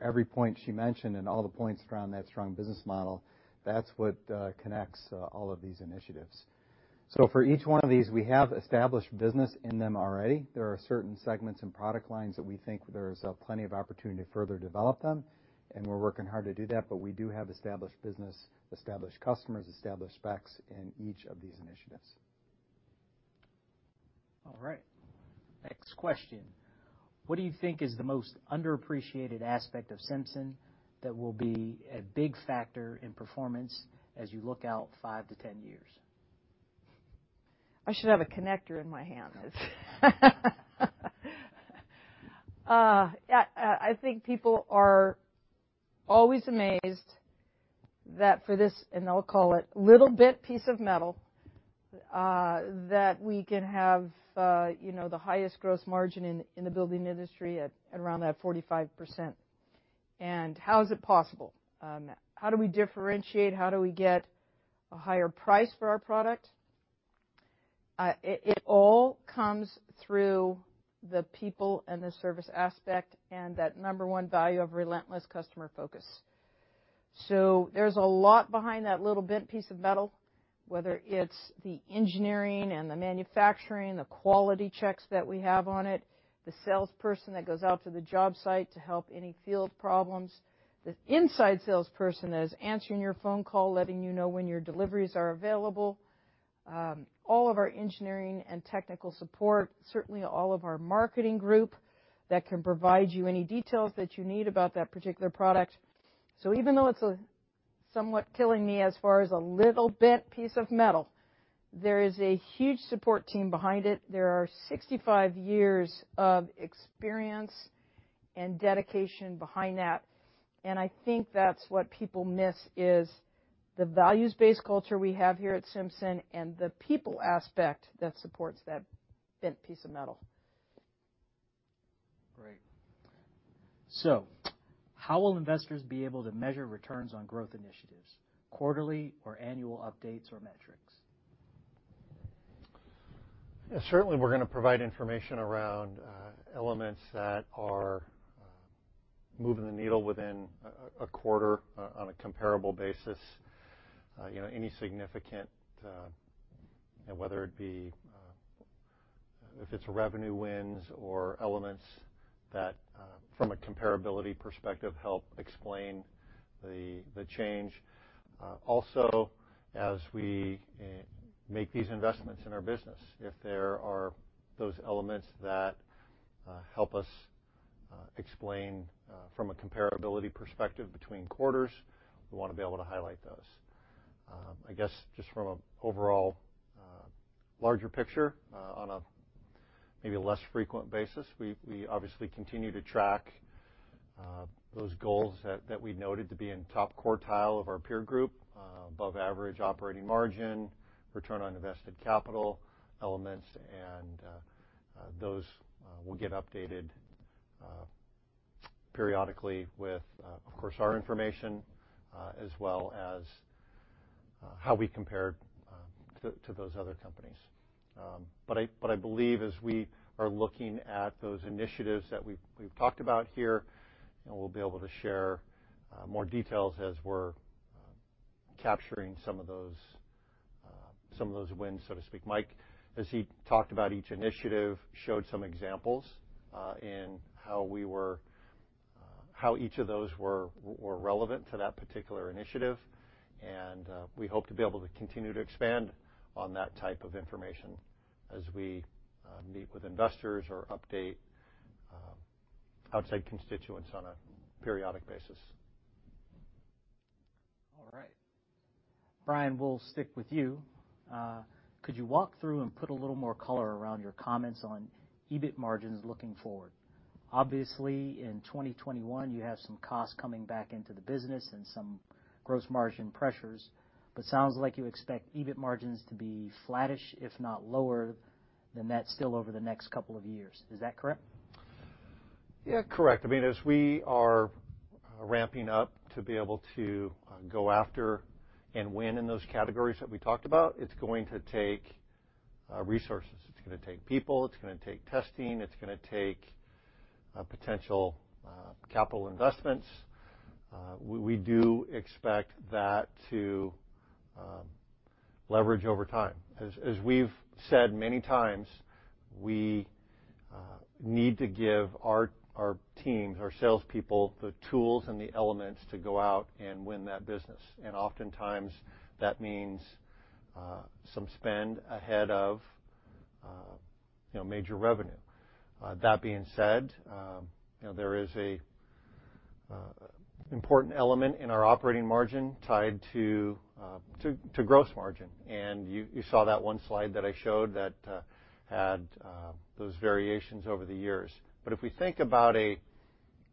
Every point she mentioned and all the points around that strong business model, that's what connects all of these initiatives. So for each one of these, we have established business in them already. There are certain segments and product lines that we think there is plenty of opportunity to further develop them, and we're working hard to do that, but we do have established business, established customers, established specs in each of these initiatives. All right. Next question. What do you think is the most underappreciated aspect of Simpson that will be a big factor in performance as you look out five to 10 years? I should have a connector in my hand. I think people are always amazed that for this, and I'll call it little bit piece of metal, that we can have the highest gross margin in the building industry at around that 45%. And how is it possible? How do we differentiate? How do we get a higher price for our product? It all comes through the people and the service aspect and that number one value of relentless customer focus. So there's a lot behind that little bit piece of metal, whether it's the engineering and the manufacturing, the quality checks that we have on it, the salesperson that goes out to the job site to help any field problems, the inside salesperson that is answering your phone call, letting you know when your deliveries are available, all of our engineering and technical support, certainly all of our marketing group that can provide you any details that you need about that particular product. So even though it's somewhat killing me as far as a little bit piece of metal, there is a huge support team behind it. There are 65 years of experience and dedication behind that. And I think that's what people miss is the values-based culture we have here at Simpson and the people aspect that supports that bent piece of metal. Great. So how will investors be able to measure returns on growth initiatives, quarterly or annual updates or metrics? Certainly, we're going to provide information around elements that are moving the needle within a quarter on a comparable basis. Any significant, whether it be if it's revenue wins or elements that from a comparability perspective help explain the change. Also, as we make these investments in our business, if there are those elements that help us explain from a comparability perspective between quarters, we want to be able to highlight those. I guess just from an overall larger picture on a maybe less frequent basis, we obviously continue to track those goals that we noted to be in top quartile of our peer group, above average operating margin, return on invested capital elements, and those will get updated periodically with, of course, our information as well as how we compare to those other companies. I believe as we are looking at those initiatives that we've talked about here, we'll be able to share more details as we're capturing some of those wins, so to speak. Mike, as he talked about each initiative, showed some examples in how each of those were relevant to that particular initiative. We hope to be able to continue to expand on that type of information as we meet with investors or update outside constituents on a periodic basis. All right. Brian, we'll stick with you. Could you walk through and put a little more color around your comments on EBIT margins looking forward? Obviously, in 2021, you have some costs coming back into the business and some gross margin pressures, but it sounds like you expect EBIT margins to be flattish, if not lower than that, still over the next couple of years. Is that correct? Yeah, correct. I mean, as we are ramping up to be able to go after and win in those categories that we talked about, it's going to take resources. It's going to take people. It's going to take testing. It's going to take potential capital investments. We do expect that to leverage over time. As we've said many times, we need to give our teams, our salespeople, the tools and the elements to go out and win that business. And oftentimes, that means some spend ahead of major revenue. That being said, there is an important element in our operating margin tied to gross margin. And you saw that one slide that I showed that had those variations over the years. But if we think about a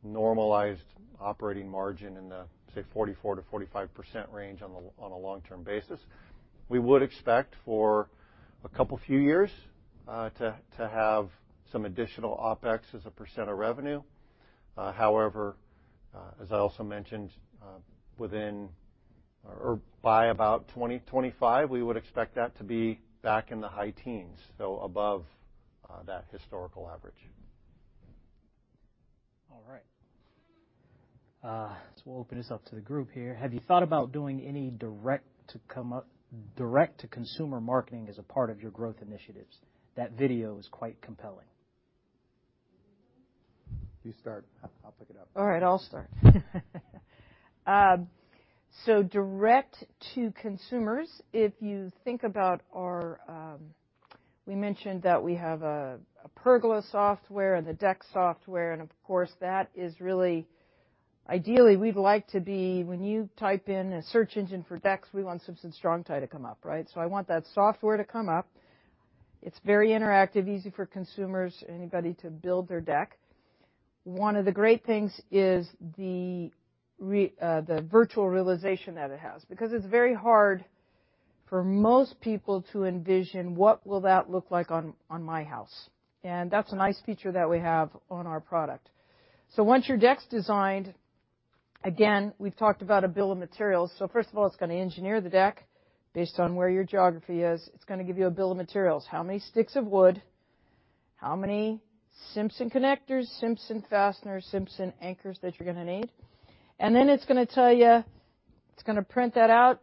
normalized operating margin in the, say, 44%-45% range on a long-term basis, we would expect for a couple few years to have some additional OpEx as a percent of revenue. However, as I also mentioned, within or by about 2025, we would expect that to be back in the high teens, so above that historical average. All right. So we'll open this up to the group here. Have you thought about doing any direct-to-consumer marketing as a part of your growth initiatives? That video is quite compelling. You start. I'll pick it up. All right. I'll start. So, direct to consumers. We mentioned that we have a Pergola software and the Deck software, and of course, that is really ideally, we'd like to be when you type in a search engine for Deck, we want Simpson Strong-Tie to come up, right? So I want that software to come up. It's very interactive, easy for consumers, anybody to build their deck. One of the great things is the visualization that it has. Because it's very hard for most people to envision what will that look like on my house. And that's a nice feature that we have on our product. So once your deck's designed, again, we've talked about a bill of materials. So first of all, it's going to engineer the deck based on where your geography is. It's going to give you a bill of materials. How many sticks of wood? How many Simpson connectors, Simpson fasteners, Simpson anchors that you're going to need, and then it's going to tell you it's going to print that out.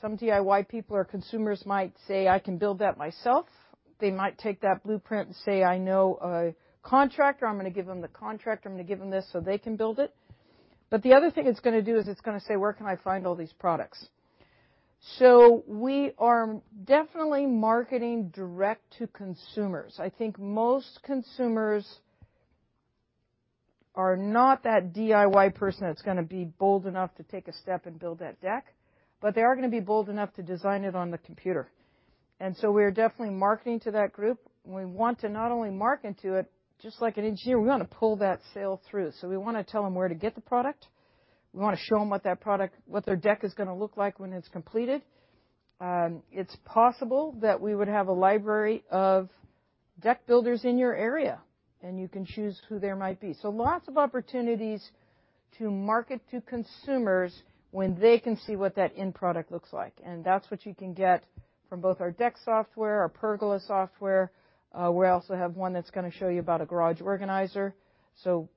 Some DIY people or consumers might say, "I can build that myself." They might take that blueprint and say, "I know a contractor. I'm going to give them the contractor. I'm going to give them this so they can build it," but the other thing it's going to do is it's going to say, "Where can I find all these products?" so we are definitely marketing direct-to-consumers. I think most consumers are not that DIY person that's going to be bold enough to take a step and build that deck, but they are going to be bold enough to design it on the computer, and so we are definitely marketing to that group. We want to not only market to it, just like an engineer. We want to pull that sale through. So we want to tell them where to get the product. We want to show them what their deck is going to look like when it's completed. It's possible that we would have a library of deck builders in your area, and you can choose who there might be. So lots of opportunities to market to consumers when they can see what that end product looks like. And that's what you can get from both our deck software, our Pergola software. We also have one that's going to show you about a garage organizer. So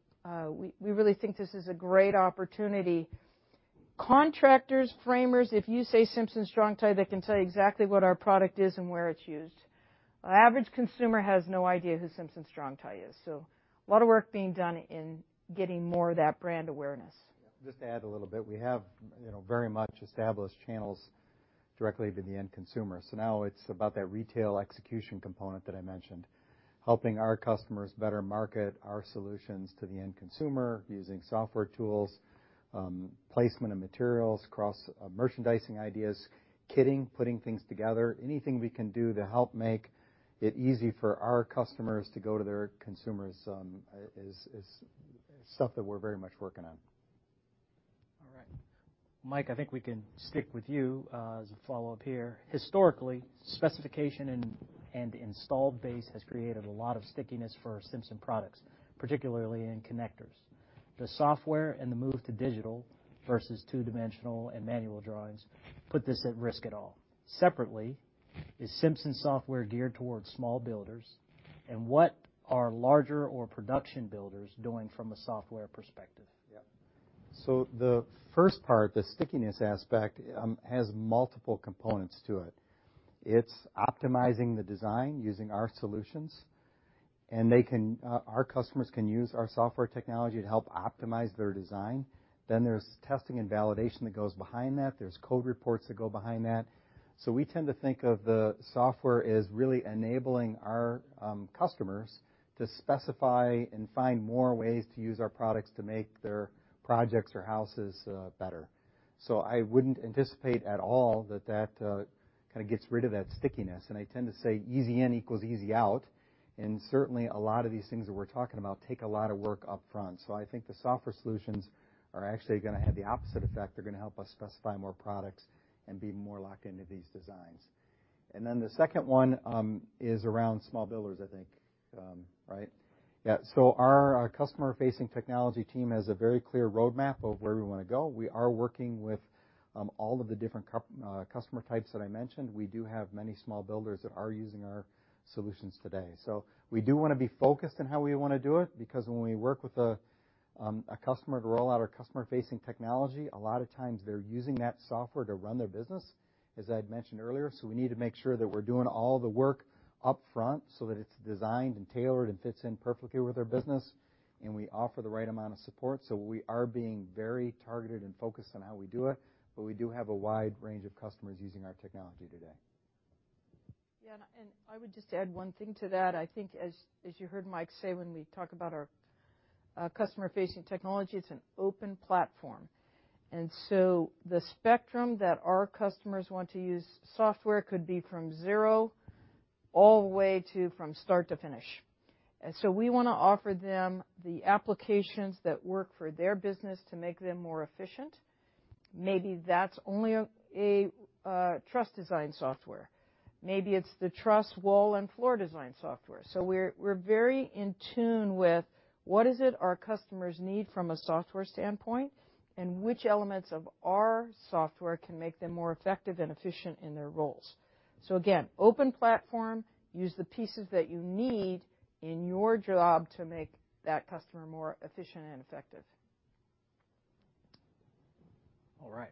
we really think this is a great opportunity. Contractors, framers, if you say Simpson Strong-Tie, they can tell you exactly what our product is and where it's used. Average consumer has no idea who Simpson Strong-Tie is. So a lot of work being done in getting more of that brand awareness. Just to add a little bit, we have very much established channels directly to the end consumer. So now it's about that retail execution component that I mentioned, helping our customers better market our solutions to the end consumer using software tools, placement of materials, merchandising ideas, kitting, putting things together, anything we can do to help make it easy for our customers to go to their consumers is stuff that we're very much working on. All right. Mike, I think we can stick with you as a follow-up here. Historically, specification and installed base has created a lot of stickiness for Simpson products, particularly in connectors. The software and the move to digital versus two-dimensional and manual drawings put this at risk at all. Separately, is Simpson software geared towards small builders? And what are larger or production builders doing from a software perspective? Yeah. So the first part, the stickiness aspect, has multiple components to it. It's optimizing the design using our solutions. And our customers can use our software technology to help optimize their design. Then there's testing and validation that goes behind that. There's code reports that go behind that. So we tend to think of the software as really enabling our customers to specify and find more ways to use our products to make their projects or houses better. So I wouldn't anticipate at all that that kind of gets rid of that stickiness. And I tend to say easy in equals easy out. And certainly, a lot of these things that we're talking about take a lot of work upfront. So I think the software solutions are actually going to have the opposite effect. They're going to help us specify more products and be more locked into these designs. And then the second one is around small builders, I think, right? Yeah. So our customer-facing technology team has a very clear roadmap of where we want to go. We are working with all of the different customer types that I mentioned. We do have many small builders that are using our solutions today. So we do want to be focused on how we want to do it because when we work with a customer to roll out our customer-facing technology, a lot of times they're using that software to run their business, as I had mentioned earlier. So we need to make sure that we're doing all the work upfront so that it's designed and tailored and fits in perfectly with their business, and we offer the right amount of support. So we are being very targeted and focused on how we do it, but we do have a wide range of customers using our technology today. Yeah. And I would just add one thing to that. I think as you heard Mike say when we talk about our customer-facing technology, it's an open platform. And so the spectrum that our customers want to use software could be from zero all the way to from start to finish. So we want to offer them the applications that work for their business to make them more efficient. Maybe that's only a truss design software. Maybe it's the truss wall and floor design software. So we're very in tune with what is it our customers need from a software standpoint and which elements of our software can make them more effective and efficient in their roles. So again, open platform, use the pieces that you need in your job to make that customer more efficient and effective. All right,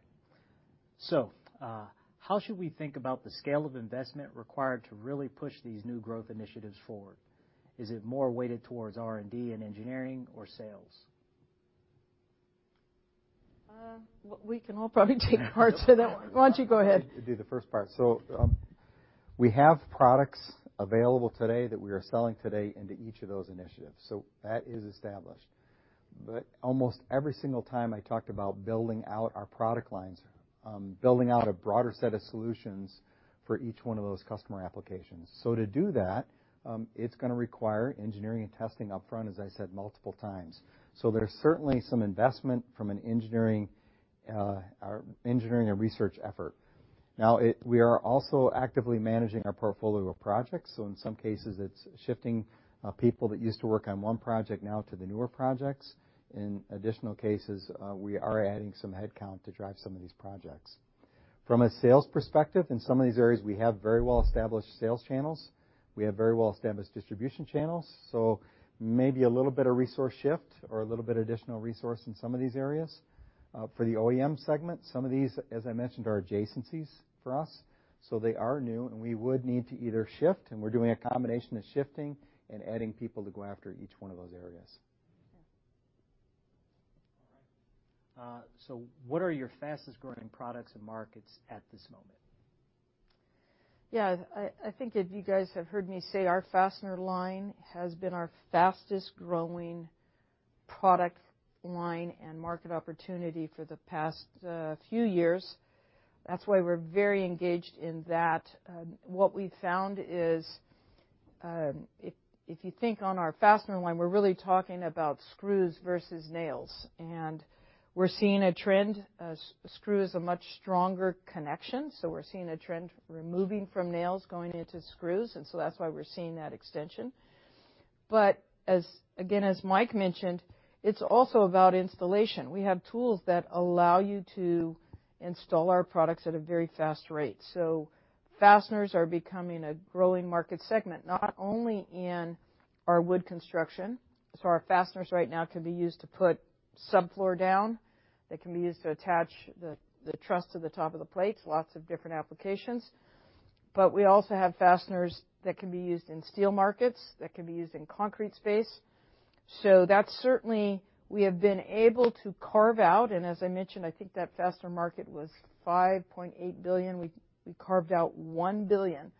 so how should we think about the scale of investment required to really push these new growth initiatives forward? Is it more weighted towards R&D and engineering or sales? We can all probably take parts of that one. Why don't you go ahead? Do the first part. So we have products available today that we are selling today into each of those initiatives. So that is established. But almost every single time I talked about building out our product lines, building out a broader set of solutions for each one of those customer applications. So to do that, it's going to require engineering and testing upfront, as I said multiple times. So there's certainly some investment from an engineering and research effort. Now, we are also actively managing our portfolio of projects. So in some cases, it's shifting people that used to work on one project now to the newer projects. In additional cases, we are adding some headcount to drive some of these projects. From a sales perspective, in some of these areas, we have very well-established sales channels. We have very well-established distribution channels. Maybe a little bit of resource shift or a little bit of additional resource in some of these areas. For the OEM segment, some of these, as I mentioned, are adjacencies for us. They are new, and we would need to either shift, and we're doing a combination of shifting and adding people to go after each one of those areas. All right, so what are your fastest-growing products and markets at this moment? Yeah. I think if you guys have heard me say our fastener line has been our fastest-growing product line and market opportunity for the past few years. That's why we're very engaged in that. What we've found is if you think on our fastener line, we're really talking about screws versus nails. And we're seeing a trend. Screw is a much stronger connection. So we're seeing a trend removing from nails going into screws. And so that's why we're seeing that extension. But again, as Mike mentioned, it's also about installation. We have tools that allow you to install our products at a very fast rate. So fasteners are becoming a growing market segment, not only in our wood construction. So our fasteners right now can be used to put subfloor down. They can be used to attach the truss to the top of the plates, lots of different applications. But we also have fasteners that can be used in steel markets, that can be used in concrete space. So that's certainly we have been able to carve out. And as I mentioned, I think that fastener market was $5.8 billion. We carved out $1 billion.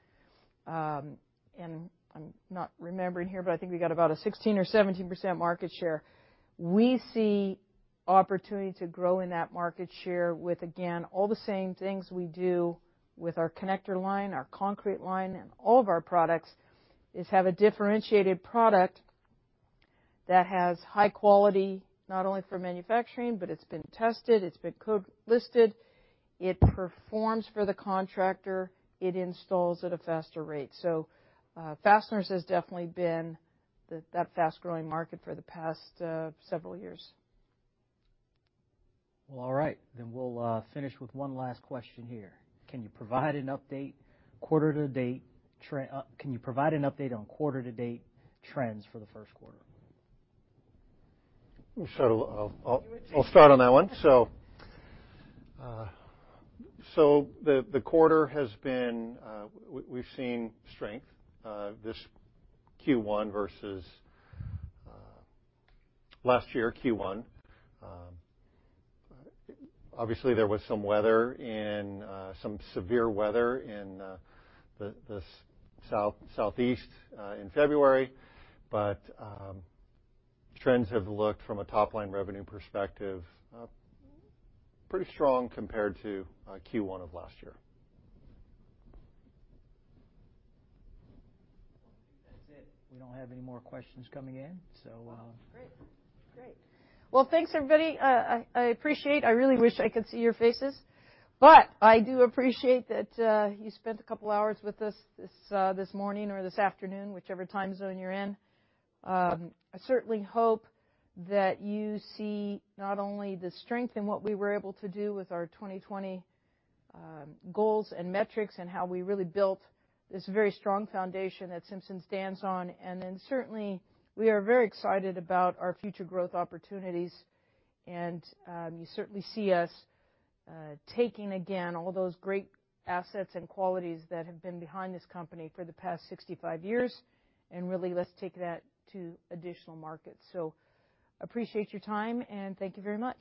And I'm not remembering here, but I think we got about a 16% or 17% market share. We see opportunity to grow in that market share with, again, all the same things we do with our connector line, our concrete line, and all of our products is have a differentiated product that has high quality, not only for manufacturing, but it's been tested, it's been code-listed, it performs for the contractor, it installs at a faster rate. So fasteners has definitely been that fast-growing market for the past several years. All right. Then we'll finish with one last question here. Can you provide an update quarter-to-date? Can you provide an update on quarter-to-date trends for the first quarter? I'll start on that one. So the quarter has been, we've seen strength this Q1 versus last year Q1. Obviously, there was some weather and some severe weather in the Southeast in February, but trends have looked from a top-line revenue perspective pretty strong compared to Q1 of last year. That's it. We don't have any more questions coming in. So. Great. Great. Well, thanks, everybody. I appreciate it. I really wish I could see your faces. But I do appreciate that you spent a couple of hours with us this morning or this afternoon, whichever time zone you're in. I certainly hope that you see not only the strength in what we were able to do with our 2020 goals and metrics and how we really built this very strong foundation that Simpson stands on. And then certainly, we are very excited about our future growth opportunities. And you certainly see us taking again all those great assets and qualities that have been behind this company for the past 65 years. And really, let's take that to additional markets. So appreciate your time, and thank you very much.